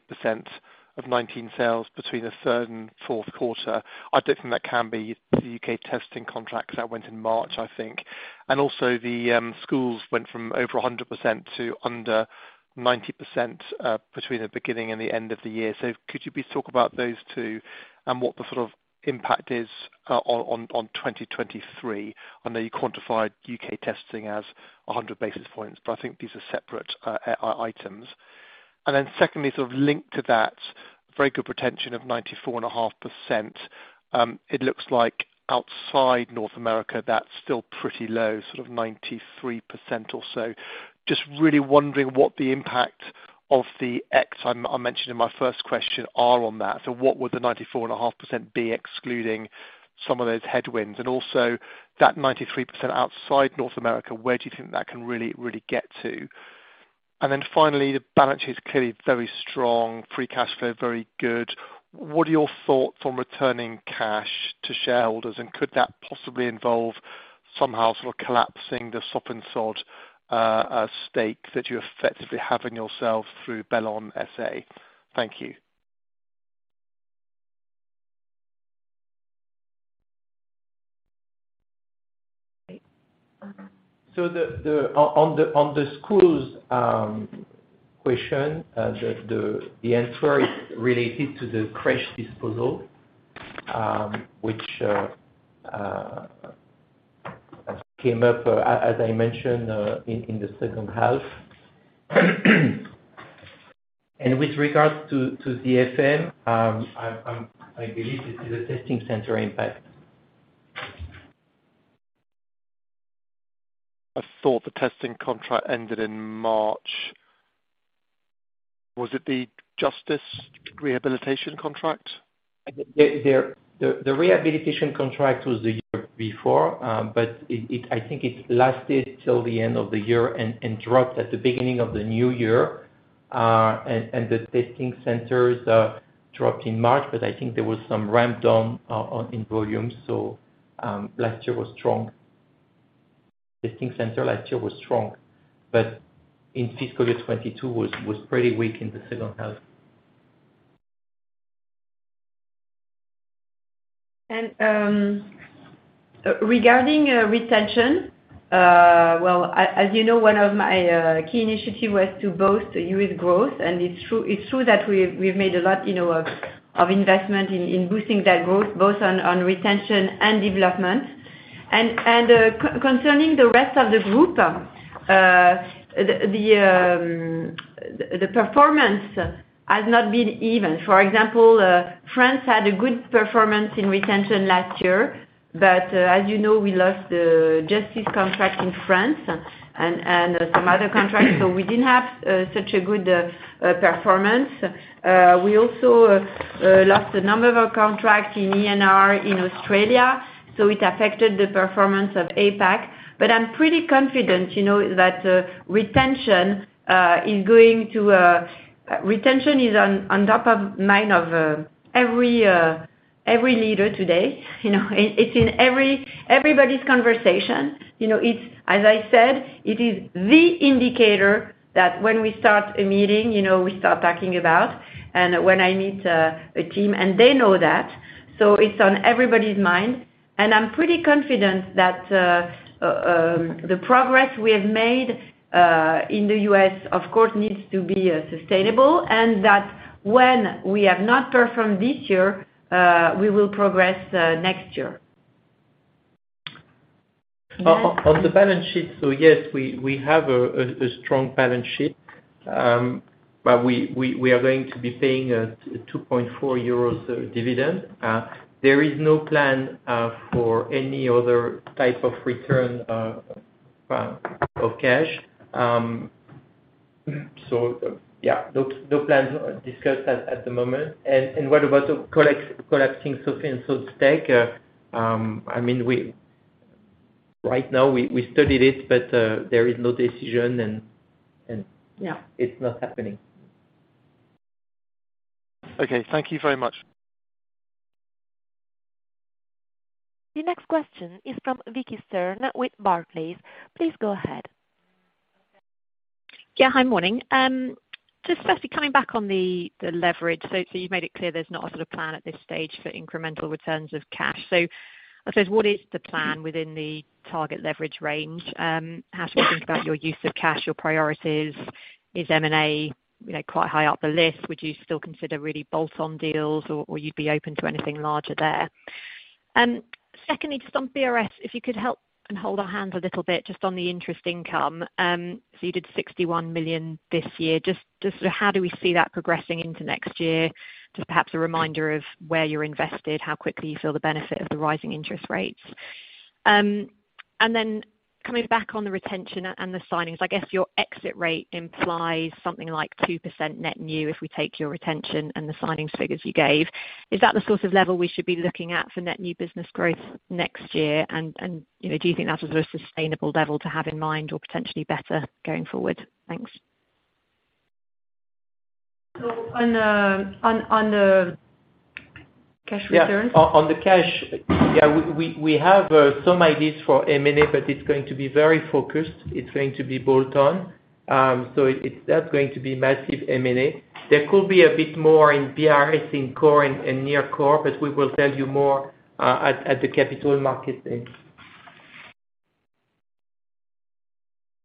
of 2019 sales between the third and fourth quarter. I don't think that can be the U.K. TR contracts that went in March, I think. Also, the schools went from over 100% to under 90%, between the beginning and the end of the year. Could you please talk about those two and what the sort of impact is on 2023? I know you quantified U.K. testing as 100 basis points, but I think these are separate items. Secondly, sort of linked to that very good retention of 94.5%, it looks like outside North America, that's still pretty low, sort of 93% or so. Just really wondering what the impact of the exits I mentioned in my first question are on that. What would the 94.5% be excluding some of those headwinds? Also that 93% outside North America, where do you think that can really get to? Finally, the balance sheet is clearly very strong, free cash flow very good. What are your thoughts on returning cash to shareholders? Could that possibly involve somehow sort of collapsing the Sofinsod stake that you effectively have in yourself through Bellon SA? Thank you. The one on the schools question, the answer is related to the cash disposal, which came up as I mentioned in the second half. With regards to the FM, I believe this is a testing center impact. I thought the testing contract ended in March. Was it the justice rehabilitation contract? The rehabilitation contract was the year before, but it lasted till the end of the year and dropped at the beginning of the new year. The testing centers dropped in March, but I think there was some ramp down in volume. Last year was strong. Testing center last year was strong, but in fiscal year 2022 was pretty weak in the second half. Regarding retention, as you know, one of my key initiative was to boost the U.S. Growth. It's true that we've made a lot, you know, of investment in boosting that growth, both on retention and development. Concerning the rest of the group, the performance has not been even. For example, France had a good performance in retention last year, but as you know, we lost the justice contract in France and some other contracts. We didn't have such a good performance. We also lost a number of our contracts in ENR in Australia, so it affected the performance of APAC. I'm pretty confident, you know, that retention is going to. Retention is on top of mind of every leader today, you know it's in everybody's conversation. You know, it's, as I said, it is the indicator that when we start a meeting, you know, we start talking about, and when I meet a team and they know that, so it's on everybody's mind. I'm pretty confident that the progress we have made in the U.S. of course needs to be sustainable and that when we have not performed this year we will progress next year. On the balance sheet, yes, we have a strong balance sheet. We are going to be paying 2.4 euros dividend. There is no plan for any other type of return of cash. Yeah, no plans discussed at the moment. What about collecting the [inadible] stake? I mean, we right now studied it, but there is no decision and Yeah. It's not happening. Okay. Thank you very much. The next question is from Vicki Stern with Barclays. Please go ahead. Just firstly coming back on the leverage. You've made it clear there's not a sort of plan at this stage for incremental returns of cash. I suppose what is the plan within the target leverage range? How should we think about your use of cash, your priorities? Is M&A, you know, quite high up the list? Would you still consider really bolt-on deals or you'd be open to anything larger there? Secondly, just on BRS, if you could help and hold our hands a little bit just on the interest income. You did 61 million this year. Just how do we see that progressing into next year? Just perhaps a reminder of where you're invested, how quickly you feel the benefit of the rising interest rates. Coming back on the retention and the signings, I guess your exit rate implies something like 2% net new if we take your retention and the signings figures you gave. Is that the sort of level we should be looking at for net new business growth next year? You know, do you think that is a sustainable level to have in mind or potentially better going forward? Thanks. On the cash returns. Yeah. On the cash, we have some ideas for M&A, but it's going to be very focused. It's going to be bolt-on. It's not going to be massive M&A. There could be a bit more in BRS in core and near core, but we will tell you more at the Capital Markets Day.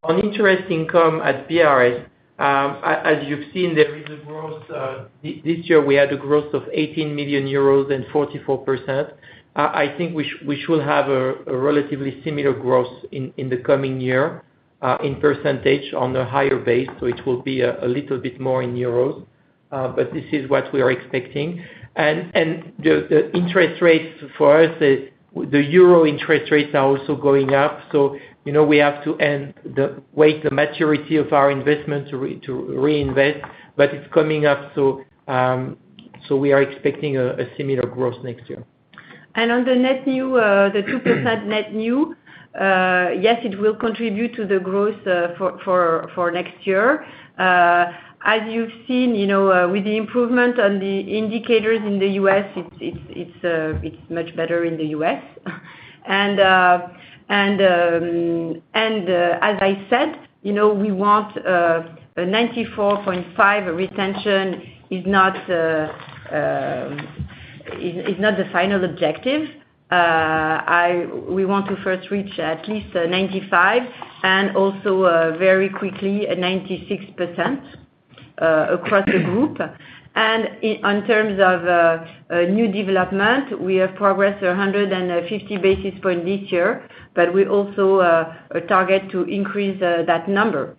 On interest income at BRS, as you've seen, there is a growth. This year we had a growth of 18 million euros and 44%. I think we should have a relatively similar growth in the coming year in percentage on the higher base. It will be a little bit more in euros, but this is what we are expecting. The interest rates for us, the euro interest rates, are also going up, so you know, we have to await the maturity of our investment to reinvest, but it's coming up, so we are expecting a similar growth next year. On the net new, the 2% net new, yes, it will contribute to the growth for next year. As you've seen, you know, with the improvement on the indicators in the U.S., it's much better in the U.S. As I said, you know, we want a 94.5% retention is not the final objective. We want to first reach at least 95 and also very quickly a 96% across the group. In terms of a new development, we have progressed 150 basis points this year, but we also target to increase that number.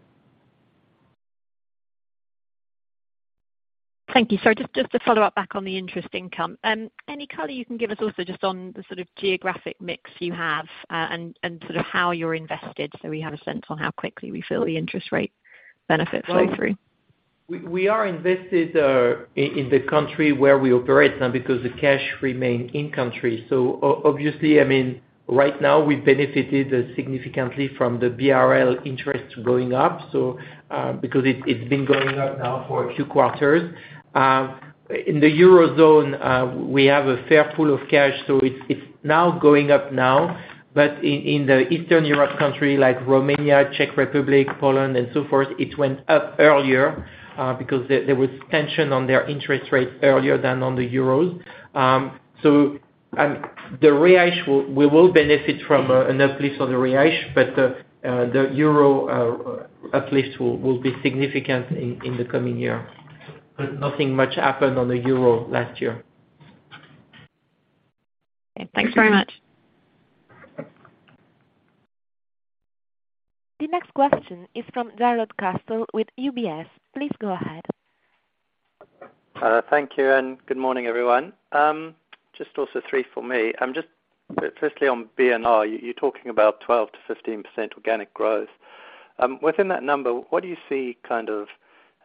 Thank you. Just to follow up back on the interest income, any color you can give us also just on the sort of geographic mix you have, and sort of how you're invested so we have a sense on how quickly we feel the interest rate benefit flow through? We are invested in the country where we operate now because the cash remain in country. Obviously, I mean, right now we benefited significantly from the BRL interest going up because it's been going up now for a few quarters. In the Eurozone, we have a fair pool of cash, so it's now going up now. In the Eastern Europe country like Romania, Czech Republic, Poland and so forth, it went up earlier because there was tension on their interest rates earlier than on the euros. The reais will, we will benefit from an uplift on the reais, but the euro uplift will be significant in the coming year. Nothing much happened on the Euro last year. Okay. Thanks very much. Thank you. The next question is from Jarrod Castle with UBS. Please go ahead. Thank you, and good morning, everyone. Just also three for me. Just, firstly on BRS, you're talking about 12%-15% organic growth. Within that number, what do you see kind of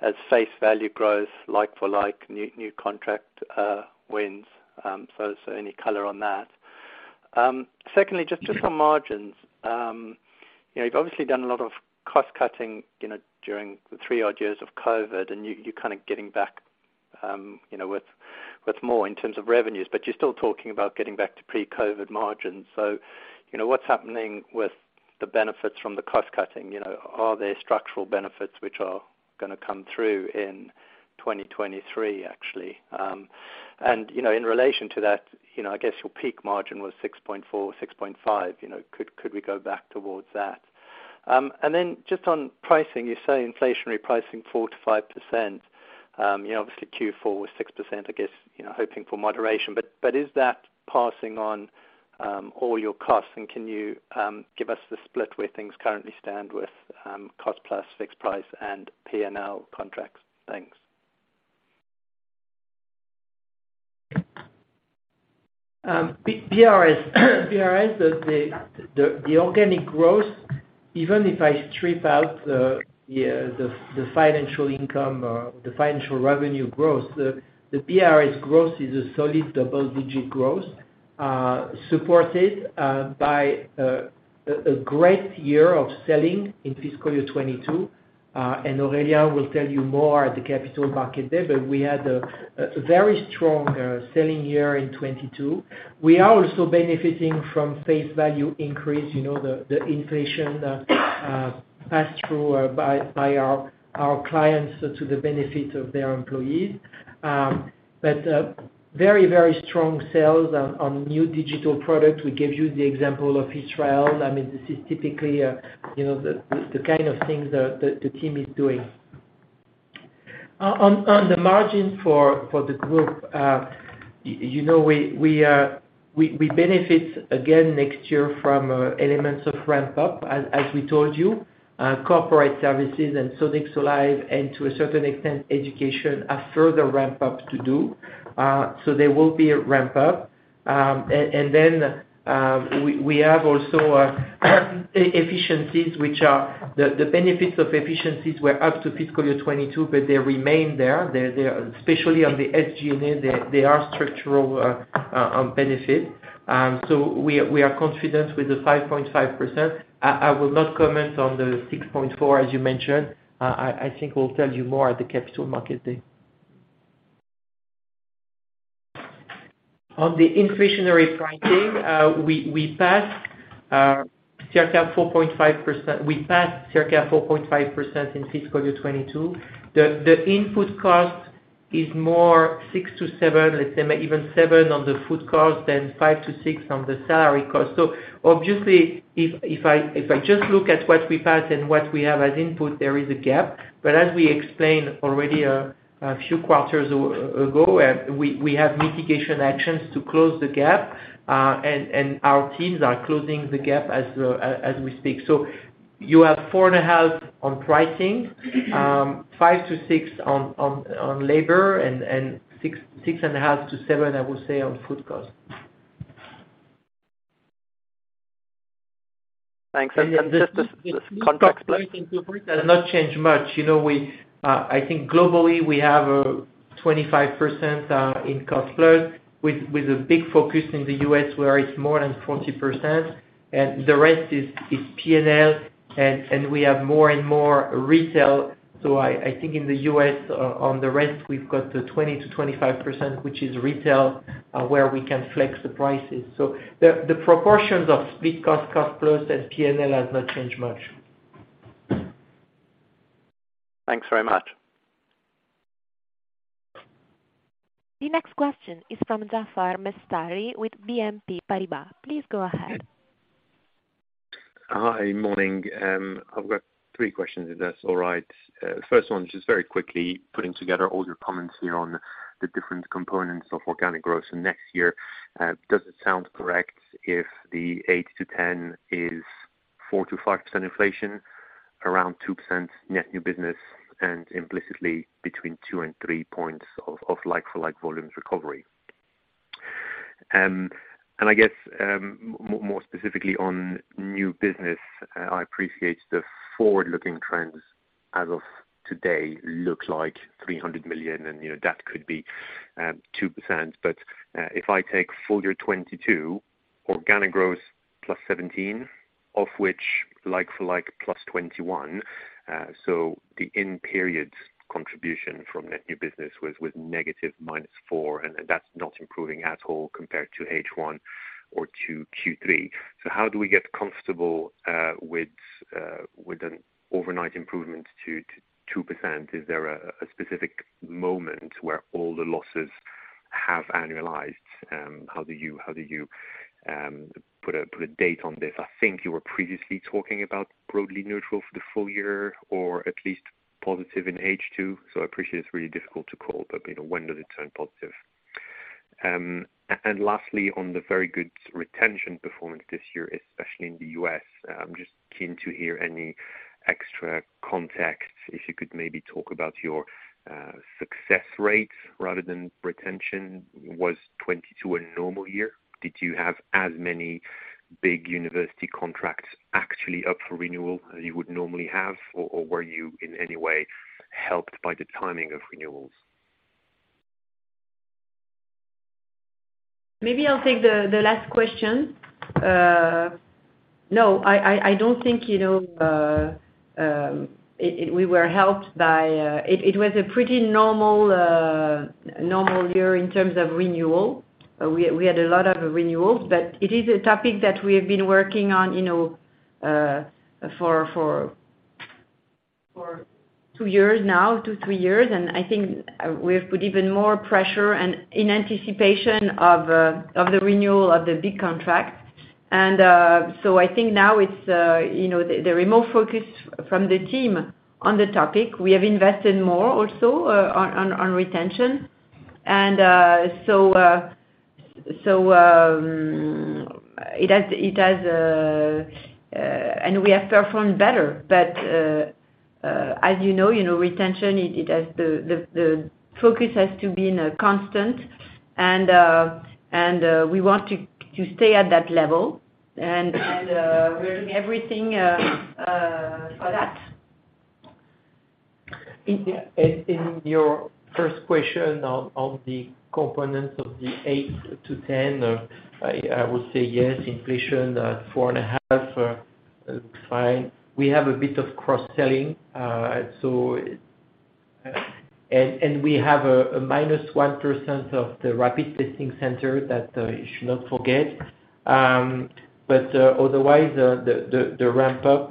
as face value growth, like for like, new contract wins? Any color on that? Secondly, just on margins. You know, you've obviously done a lot of cost cutting, you know, during the three odd years of COVID and you're kind of getting back, you know, with more in terms of revenues, but you're still talking about getting back to pre-COVID margins. You know, what's happening with the benefits from the cost cutting? You know, are there structural benefits which are gonna come through in 2023, actually? You know, in relation to that, you know, I guess your peak margin was 6.4%-6.5%. You know, could we go back towards that? Then just on pricing, you say inflationary pricing 4%-5%. You know, obviously Q4 was 6%, I guess, you know, hoping for moderation. But is that passing on all your costs and can you give us the split where things currently stand with cost-plus fixed price and P&L contracts? Thanks. BRS, the organic growth, even if I strip out the financial income or the financial revenue growth, the BRS growth is a solid double-digit growth, supported by a great year of selling in fiscal year 2022. Aurélien will tell you more at the Capital Markets Day, but we had a very strong selling year in 2022. We are also benefiting from face value increase. You know, the inflation passed through by our clients to the benefit of their employees. Very strong sales on new digital products. We gave you the example of Israel. I mean, this is typically, you know, the kind of things the team is doing. On the margin for the group, you know, we benefit again next year from elements of ramp up. As we told you, Corporate Services and Sodexo Live!, and to a certain extent, Education, are further ramp up to do. There will be a ramp up. Then we have also efficiencies, which are the benefits of efficiencies were up to fiscal year 2022, but they remain there. They're especially on the SG&A, they are structural benefit. We are confident with the 5.5%. I will not comment on the 6.4% as you mentioned. I think we'll tell you more at the Capital Markets Day. On the inflationary pricing, we passed circa 4.5%. We passed circa 4.5% in fiscal year 2022. The input cost is more 6%-7%, let's say maybe even 7% on the food cost, then 5%-6% on the salary cost. Obviously if I just look at what we passed and what we have as input, there is a gap. As we explained already a few quarters ago, we have mitigation actions to close the gap. Our teams are closing the gap as we speak. You have 4.5% on pricing, 5%-6% on labor and 6.5%-7%, I will say on food cost. Thanks. Just this contract split. Does not change much. You know, we, I think globally we have 25% in cost split with a big focus in the U.S. where it's more than 40% and the rest is P&L and we have more and more retail. I think in the U.S. on the rest we've got 20%-25%, which is retail, where we can flex the prices. The proportions of split cost-plus and P&L has not changed much. Thanks very much. The next question is from Jaafar Mestari with BNP Paribas. Please go ahead. Hi. Morning. I've got three questions if that's all right. First one, just very quickly putting together all your comments here on the different components of organic growth and next year, does it sound correct if the 8%-10% is 4%-5% inflation, around 2% net new business and implicitly between 2 and 3 points of like-for-like volumes recovery? I guess, more specifically on new business, I appreciate the forward-looking trends as of today look like 300 million and, you know, that could be 2%. If I take full year 2022 organic growth +17%, of which like-for-like +21%. The in-periods contribution from net new business was -4%, and that's not improving at all compared to H1 or to Q3. How do we get comfortable with an overnight improvement to 2%? Is there a specific moment where all the losses have annualized? How do you put a date on this? I think you were previously talking about broadly neutral for the full year or at least positive in H2. I appreciate it's really difficult to call, but you know, when does it turn positive? And lastly, on the very good retention performance this year, especially in the U.S., I'm just keen to hear any extra context, if you could maybe talk about your success rates rather than retention. Was 2022 a normal year? Did you have as many big university contracts actually up for renewal as you would normally have, or were you in any way helped by the timing of renewals? Maybe I'll take the last question. No, I don't think, you know, we were helped by. It was a pretty normal year in terms of renewal. We had a lot of renewals, but it is a topic that we have been working on, you know, for two years now, two, three years. I think we have put even more pressure in anticipation of the renewal of the big contracts. I think now it's, you know, the renewed focus from the team on the topic. We have invested more also on retention. It has, and we have performed better. As you know, retention. It has the focus has to be in a constant and we want to stay at that level and we're doing everything for that. In your first question on the components of the 8%-10%, I would say yes, inflation at 4.5% looks fine. We have a bit of cross-selling. We have a -1% of the rapid testing center that you should not forget. Otherwise, the ramp up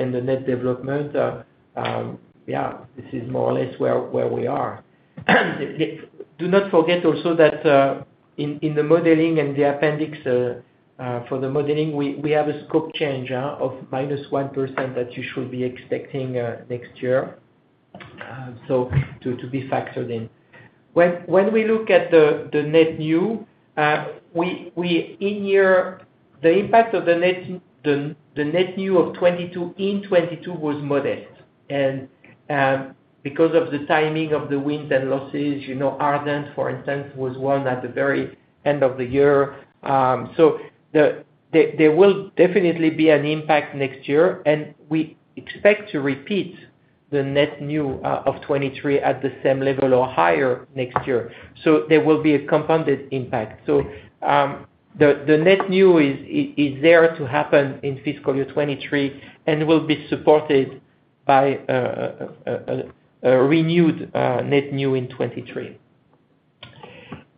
and the net development, yeah, this is more or less where we are. Do not forget also that in the modeling and the appendix for the modeling, we have a Scope Change, yeah. Of -1% that you should be expecting next year, so to be factored in. When we look at the net new, the impact of the net new of 2022 in 2022 was modest. Because of the timing of the wins and losses, you know, Ardent for instance, was won at the very end of the year. There will definitely be an impact next year, and we expect to repeat the net new of 2023 at the same level or higher next year. There will be a compounded impact. The net new is there to happen in fiscal year 2023, and will be supported by a renewed net new in 2023.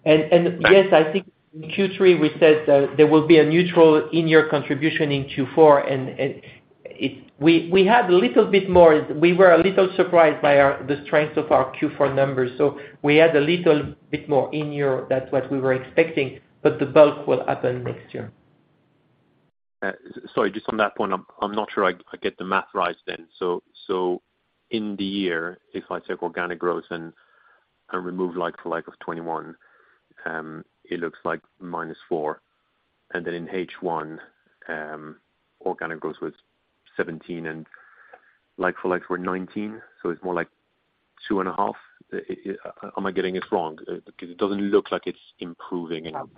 Yes, I think in Q3 we said that there will be a neutral in-year contribution in Q4 and it. We were a little surprised by the strength of our Q4 numbers, so we had a little bit more in-year than what we were expecting, but the bulk will happen next year. Sorry, just on that point, I'm not sure I get the math right then. In the year, if I take organic growth and remove like-for-like of 2021, it looks like -4%. Then in H1, organic growth was 17%, and like-for-like were 19%, so it's more like 2.5%. Am I getting this wrong? Because it doesn't look like it's improving. I'm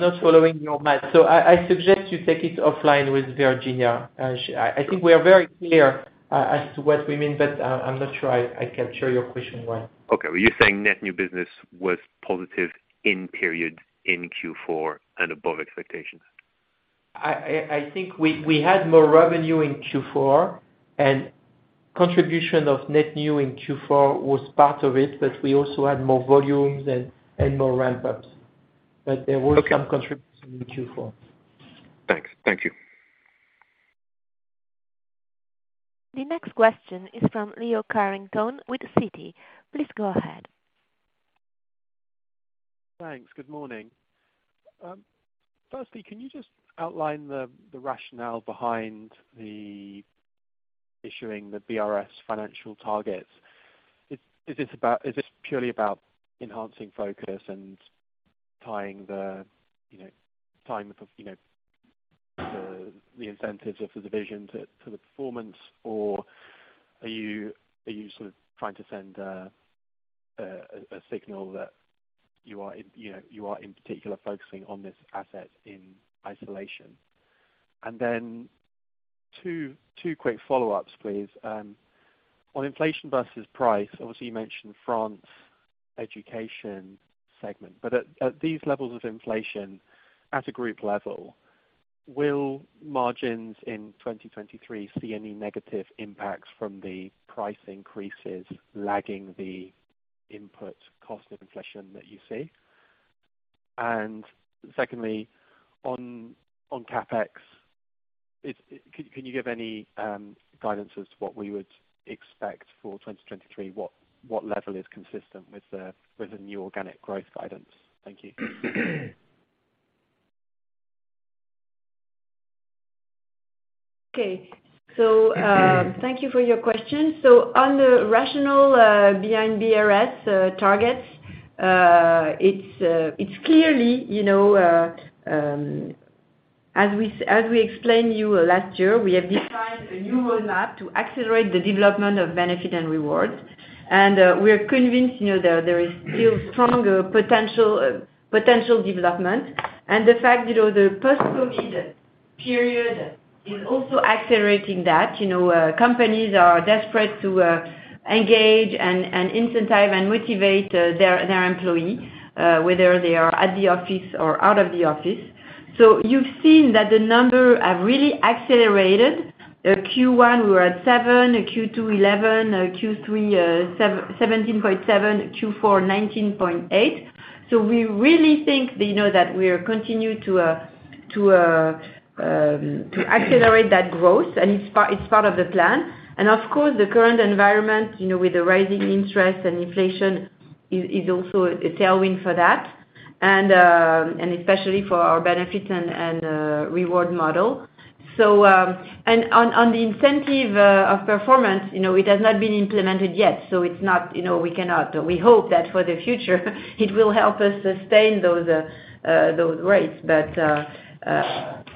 not following your math, so I suggest you take it offline with Virginia. I think we are very clear as to what we mean, but I'm not sure I capture your question well. Okay. Well, you're saying net new business was positive in period in Q4 and above expectations. I think we had more revenue in Q4, and contribution of net new in Q4 was part of it, but we also had more volumes and more ramp-ups. Okay. Some contributions in Q4. Thanks. Thank you. The next question is from Leo Carrington with Citi. Please go ahead. Thanks. Good morning. Firstly, can you just outline the rationale behind issuing the BRS financial targets? Is this purely about enhancing focus and tying, you know, the incentives of the division to the performance? Or are you sort of trying to send a signal that you are, you know, in particular focusing on this asset in isolation? And then two quick follow-ups, please. On inflation versus price, obviously you mentioned France education segment. But at these levels of inflation, at a group level, will margins in 2023 see any negative impacts from the price increases lagging the input cost of inflation that you see? And secondly, on CapEx, can you give any guidance as to what we would expect for 2023? What level is consistent with the new organic growth guidance? Thank you. Okay. Thank you for your question. On the rationale behind BRS targets, it's clearly, you know, as we explained to you last year, we have defined a new roadmap to accelerate the development of benefit and rewards. We are convinced, you know, there is still stronger potential development. The fact, you know, the post-COVID period is also accelerating that. You know, companies are desperate to engage and incentivize and motivate their employee whether they are at the office or out of the office. You've seen that the numbers have really accelerated. Q1 we were at 7%, Q2 11%, Q3 17.7%, Q4 19.8%. We really think that, you know, that we'll continue to accelerate that growth and it's part of the plan. Of course, the current environment, you know, with the rising interest and inflation is also a tailwind for that. Especially for our Benefits & Rewards model. On the incentive of performance, you know, it has not been implemented yet, so it's not, you know, we cannot. We hope that for the future it will help us sustain those rates.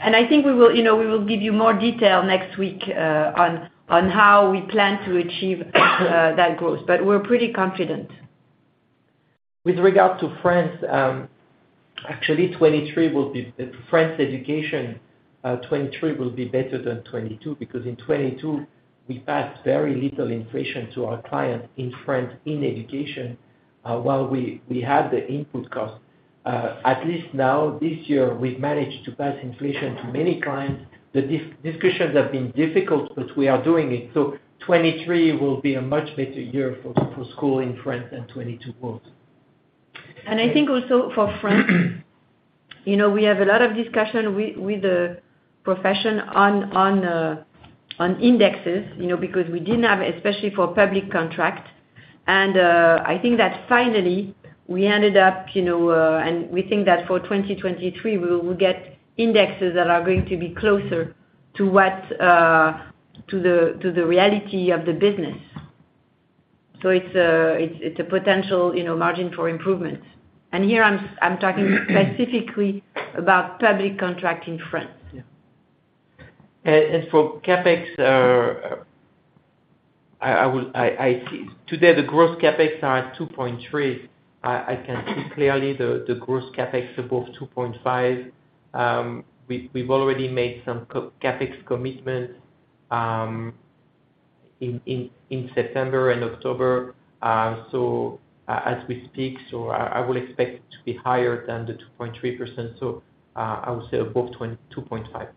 I think we will, you know, give you more detail next week on how we plan to achieve that growth, but we're pretty confident. With regard to France, actually France education, 2023 will be better than 2022, because in 2022 we passed very little inflation to our clients in France in education, while we had the input costs. At least now this year we've managed to pass inflation to many clients. The discussions have been difficult, but we are doing it. 2023 will be a much better year for school in France than 2022 was. I think also for France, you know, we have a lot of discussion with the profession on indexes, you know, because we didn't have, especially for public contract. I think that finally we think that for 2023 we will get indexes that are going to be closer to what to the reality of the business. It's a potential, you know, margin for improvement. Here I'm talking specifically about public contract in France. For CapEx, I see today the gross CapEx are at 2.3%. I can see clearly the gross CapEx above 2.5%. We've already made some CapEx commitments in September and October, as we speak. I will expect to be higher than the 2.3%. I would say above 2.5%.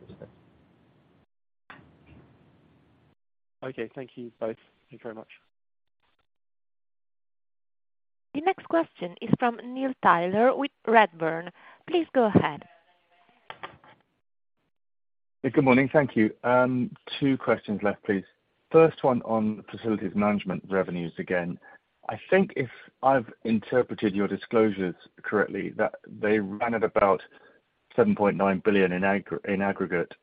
Okay. Thank you both. Thank you very much. The next question is from Neil Tyler with Redburn. Please go ahead. Good morning. Thank you. Two questions left, please. First one on facilities management revenues again. I think if I've interpreted your disclosures correctly, that they ran at about 7.9 billion in aggregate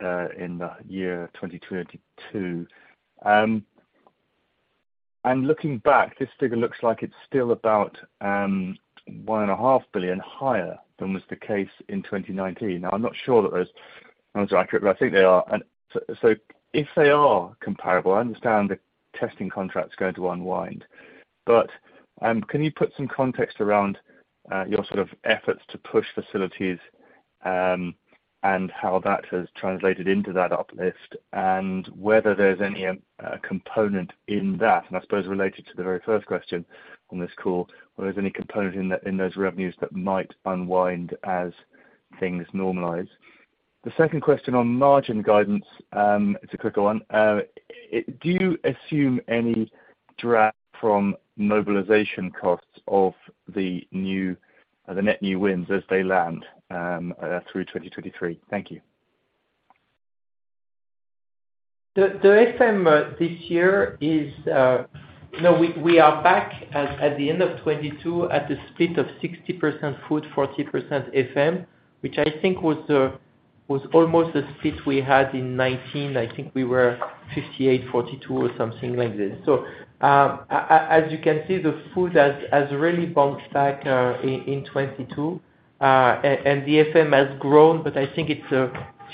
in the year 2022. Looking back, this figure looks like it's still about 1.5 billion higher than was the case in 2019. Now, I'm not sure that those numbers are accurate, but I think they are. If they are comparable, I understand the testing contracts are going to unwind. Can you put some context around your sort of efforts to push facilities and how that has translated into that uplift, and whether there's any component in that? I suppose related to the very first question on this call, whether there's any component in those revenues that might unwind as things normalize. The second question on margin guidance, it's a quicker one. Do you assume any drag from mobilization costs of the new, the net new wins as they land, through 2023? Thank you. The FM this year is you know we are back at the end of 2022 at the split of 60% food, 40% FM, which I think was almost the split we had in 2019. I think we were 58%, 42% or something like this. As you can see, the food has really bounced back in 2022. The FM has grown, but I think it's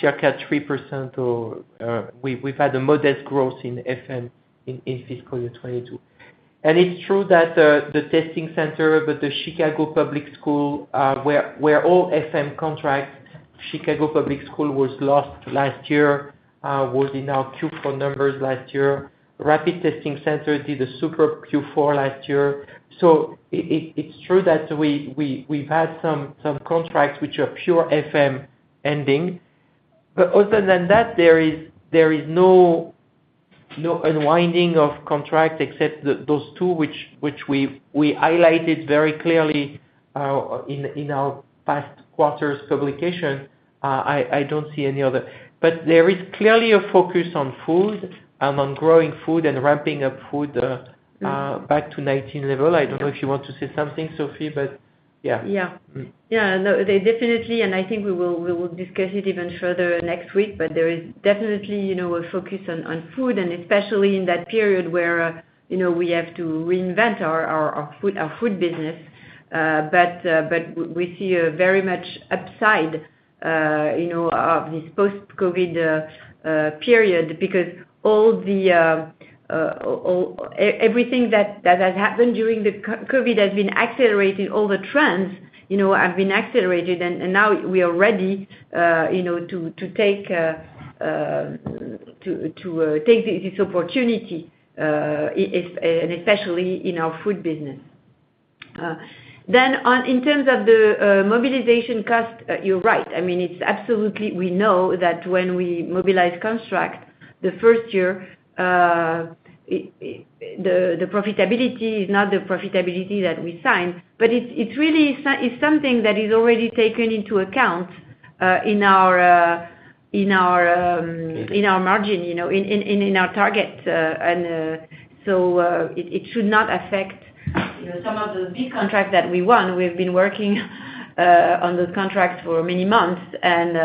circa 3% or we have had a modest growth in FM in fiscal year 2022. It's true that the contract with the Chicago Public Schools, where the FM contract with Chicago Public Schools was lost last year, was in our Q4 numbers last year. The contract did a super Q4 last year. It's true that we've had some contracts which are pure FM ending. Other than that, there is no unwinding of contracts except those two which we highlighted very clearly in our past quarters publication. I don't see any other. There is clearly a focus on food, on growing food and ramping up food back to 2019 level. I don't know if you want to say something, Sophie, but yeah. Yeah. No, they definitely, I think we will discuss it even further next week. There is definitely, you know, a focus on food, and especially in that period where, you know, we have to reinvent our food business. But we see a very much upside, you know, of this post-COVID period because everything that has happened during the COVID has been accelerating all the trends, you know, have been accelerated. Now we are ready, you know, to take this opportunity, and especially in our food business. On, in terms of the mobilization cost, you're right. I mean, it's absolutely. We know that when we mobilize contracts, the first year, the profitability is not the profitability that we signed, but it's really something that is already taken into account in our margin, you know, in our target. It should not affect, you know, some of the big contracts that we won. We've been working on those contracts for many months, and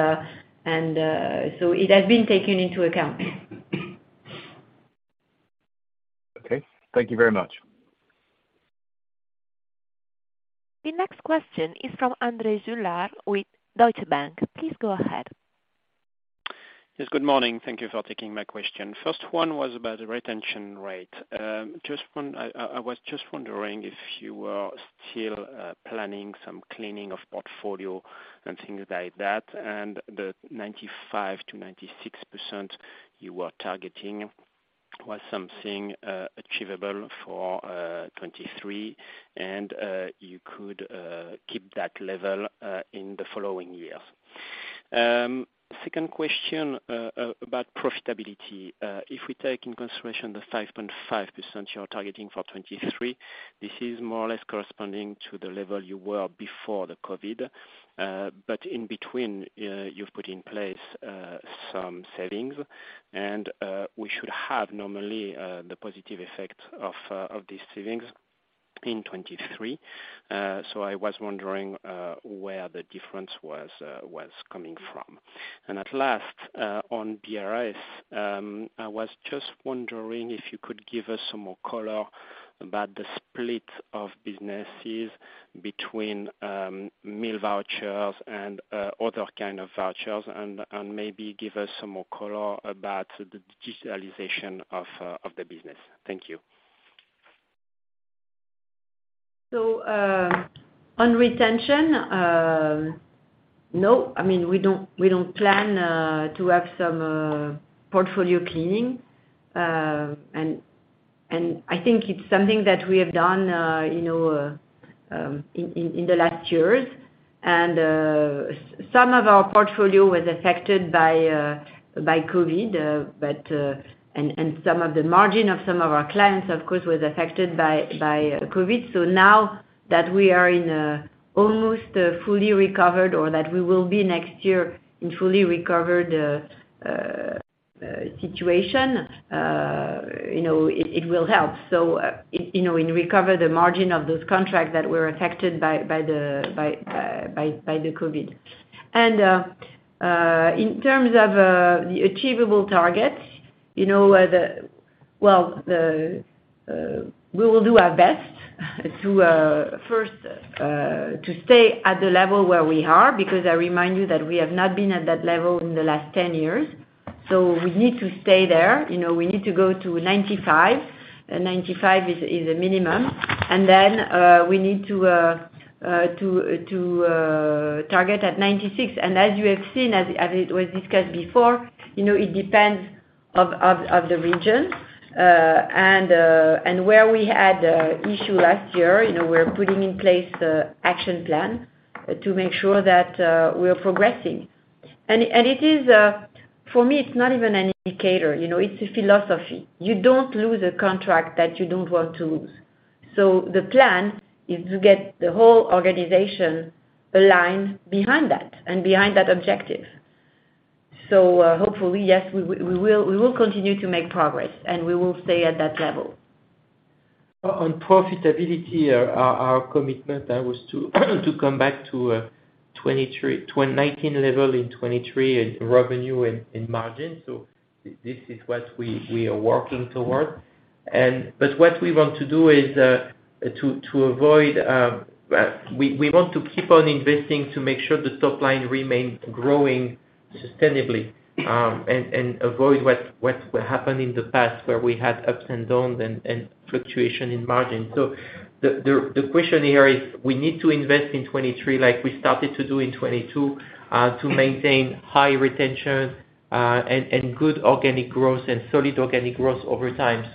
so it has been taken into account. Okay. Thank you very much. The next question is from André Juillard with Deutsche Bank. Please go ahead. Yes, good morning. Thank you for taking my question. First one was about the retention rate. I was just wondering if you were still planning some cleaning of portfolio and things like that, and the 95%-96% you were targeting was something achievable for 2023, and you could keep that level in the following years. Second question about profitability. If we take in consideration the 5.5% you're targeting for 2023, this is more or less corresponding to the level you were before the COVID. In between, you've put in place some savings and we should have normally the positive effect of these savings in 2023. I was wondering where the difference was coming from. At last, on BRS, I was just wondering if you could give us some more color about the split of businesses between meal vouchers and other kind of vouchers and maybe give us some more color about the digitalization of the business. Thank you. On retention, no. I mean, we don't plan to have some portfolio cleaning. I think it's something that we have done, you know, in the last years. Some of our portfolio was affected by COVID, but some of the margin of some of our clients, of course, was affected by COVID. Now that we are in an almost fully recovered or that we will be next year in fully recovered situation, you know, it will help. You know, and recover the margin of those contracts that were affected by the COVID. In terms of the achievable targets, you know, the. We will do our best to first stay at the level where we are, because I remind you that we have not been at that level in the last 10 years. We need to stay there. You know, we need to go to 95%. 95% is a minimum. Then we need to target at 96%. As you have seen, as it was discussed before, you know, it depends on the regions, and where we had an issue last year, you know, we're putting in place an action plan to make sure that we are progressing. It is not even an indicator for me, you know, it's a philosophy. You don't lose a contract that you don't want to lose. The plan is to get the whole organization aligned behind that, and behind that objective. Hopefully, yes, we will continue to make progress, and we will stay at that level. On profitability, our commitment was to come back to 2019 level in 2023 in revenue and margin. This is what we are working toward. What we want to do is to avoid what happened in the past, where we had ups and downs and fluctuation in margin. The question here is we need to invest in 2023, like we started to do in 2022, to maintain high retention and good organic growth and solid organic growth over time.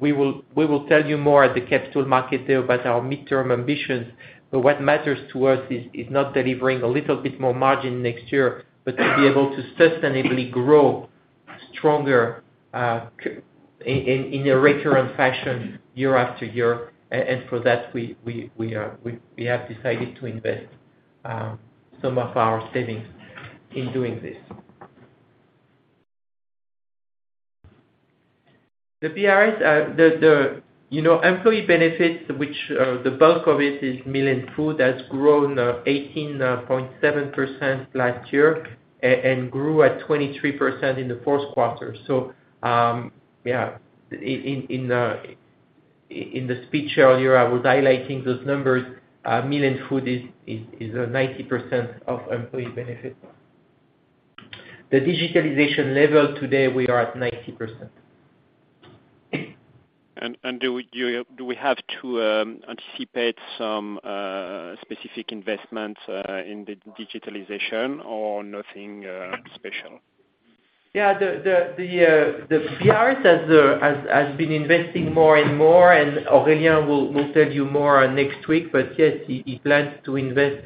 We will tell you more at the Capital Markets Day about our mid-term ambitions. What matters to us is not delivering a little bit more margin next year, but to be able to sustainably grow stronger in a recurrent fashion year-after-year. For that, we have decided to invest some of our savings in doing this. The BRS, you know, employee benefits, which the bulk of it is meal and food, has grown 18.7% last year and grew at 23% in the fourth quarter. In the speech earlier, I was highlighting those numbers. Meal and food is 90% of employee benefit. The digitalization level today, we are at 90%. Do we have to anticipate some specific investment in the digitalization or nothing special? Yeah. The BRS has been investing more and more, and Aurélien will tell you more next week. Yes, he plans to invest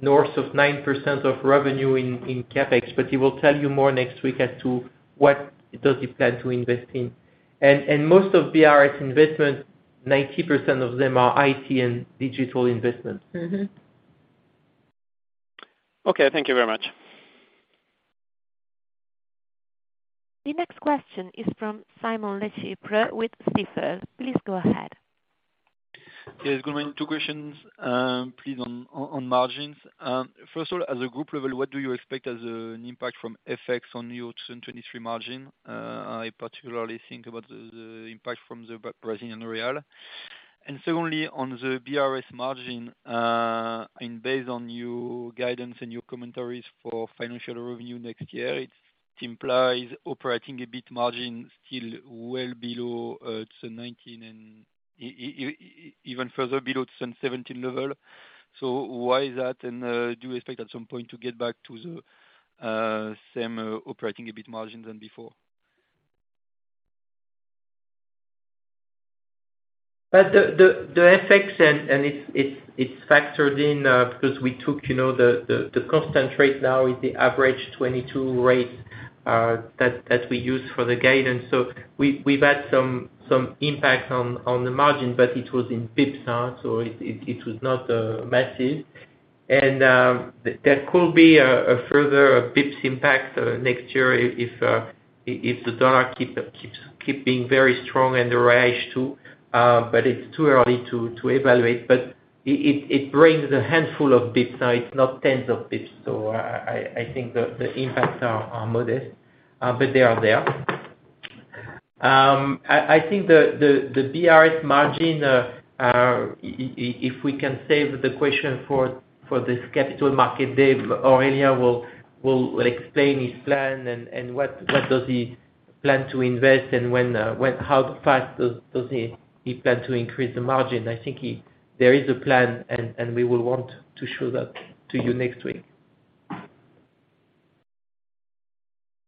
north of 9% of revenue in CapEx, but he will tell you more next week as to what does he plan to invest in. Most of BRS investment, 90% of them are IT and digital investments. Okay. Thank you very much. The next question is from Simon LeChipre with Stifel. Please go ahead. Yes. Good morning. Two questions, please on margins. First of all, at the group level, what do you expect as an impact from FX on your 2023 margin? I particularly think about the impact from the Brazilian Real. Secondly, on the BRS margin, based on your guidance and your commentaries for financial review next year, it implies operating EBIT margin still well below 2019 and even further below to some 17% level. Why is that? Do you expect at some point to get back to the same operating EBIT margin than before? The FX and it's factored in because we took you know the constant rate now is the average 2022 rate that we use for the guidance. We've had some impact on the margin, but it was in bps, So it was not massive. That could be a further a bit impact next year if the dollar keeps being very strong and the rate too. It's too early to evaluate. It brings a handful of bps, now it's not tens of bps. I think the impacts are modest, but they are there. I think the BRS margin, if we can save the question for this Capital Markets Day, Aurélien will explain his plan and what does he plan to invest and when how fast does he plan to increase the margin. I think there is a plan and we will want to show that to you next week.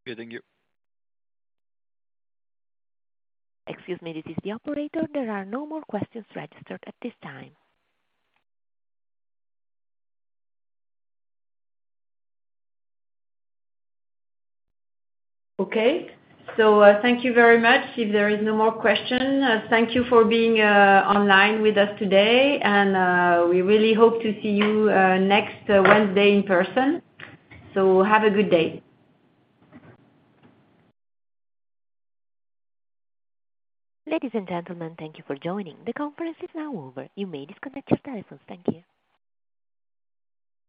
Okay, thank you. Excuse me. This is the operator. There are no more questions registered at this time. Okay. Thank you very much if there is no more question. Thank you for being online with us today and we really hope to see you next Wednesday in person. Have a good day. Ladies and gentlemen, thank you for joining. The conference is now over. You may disconnect your telephones. Thank you.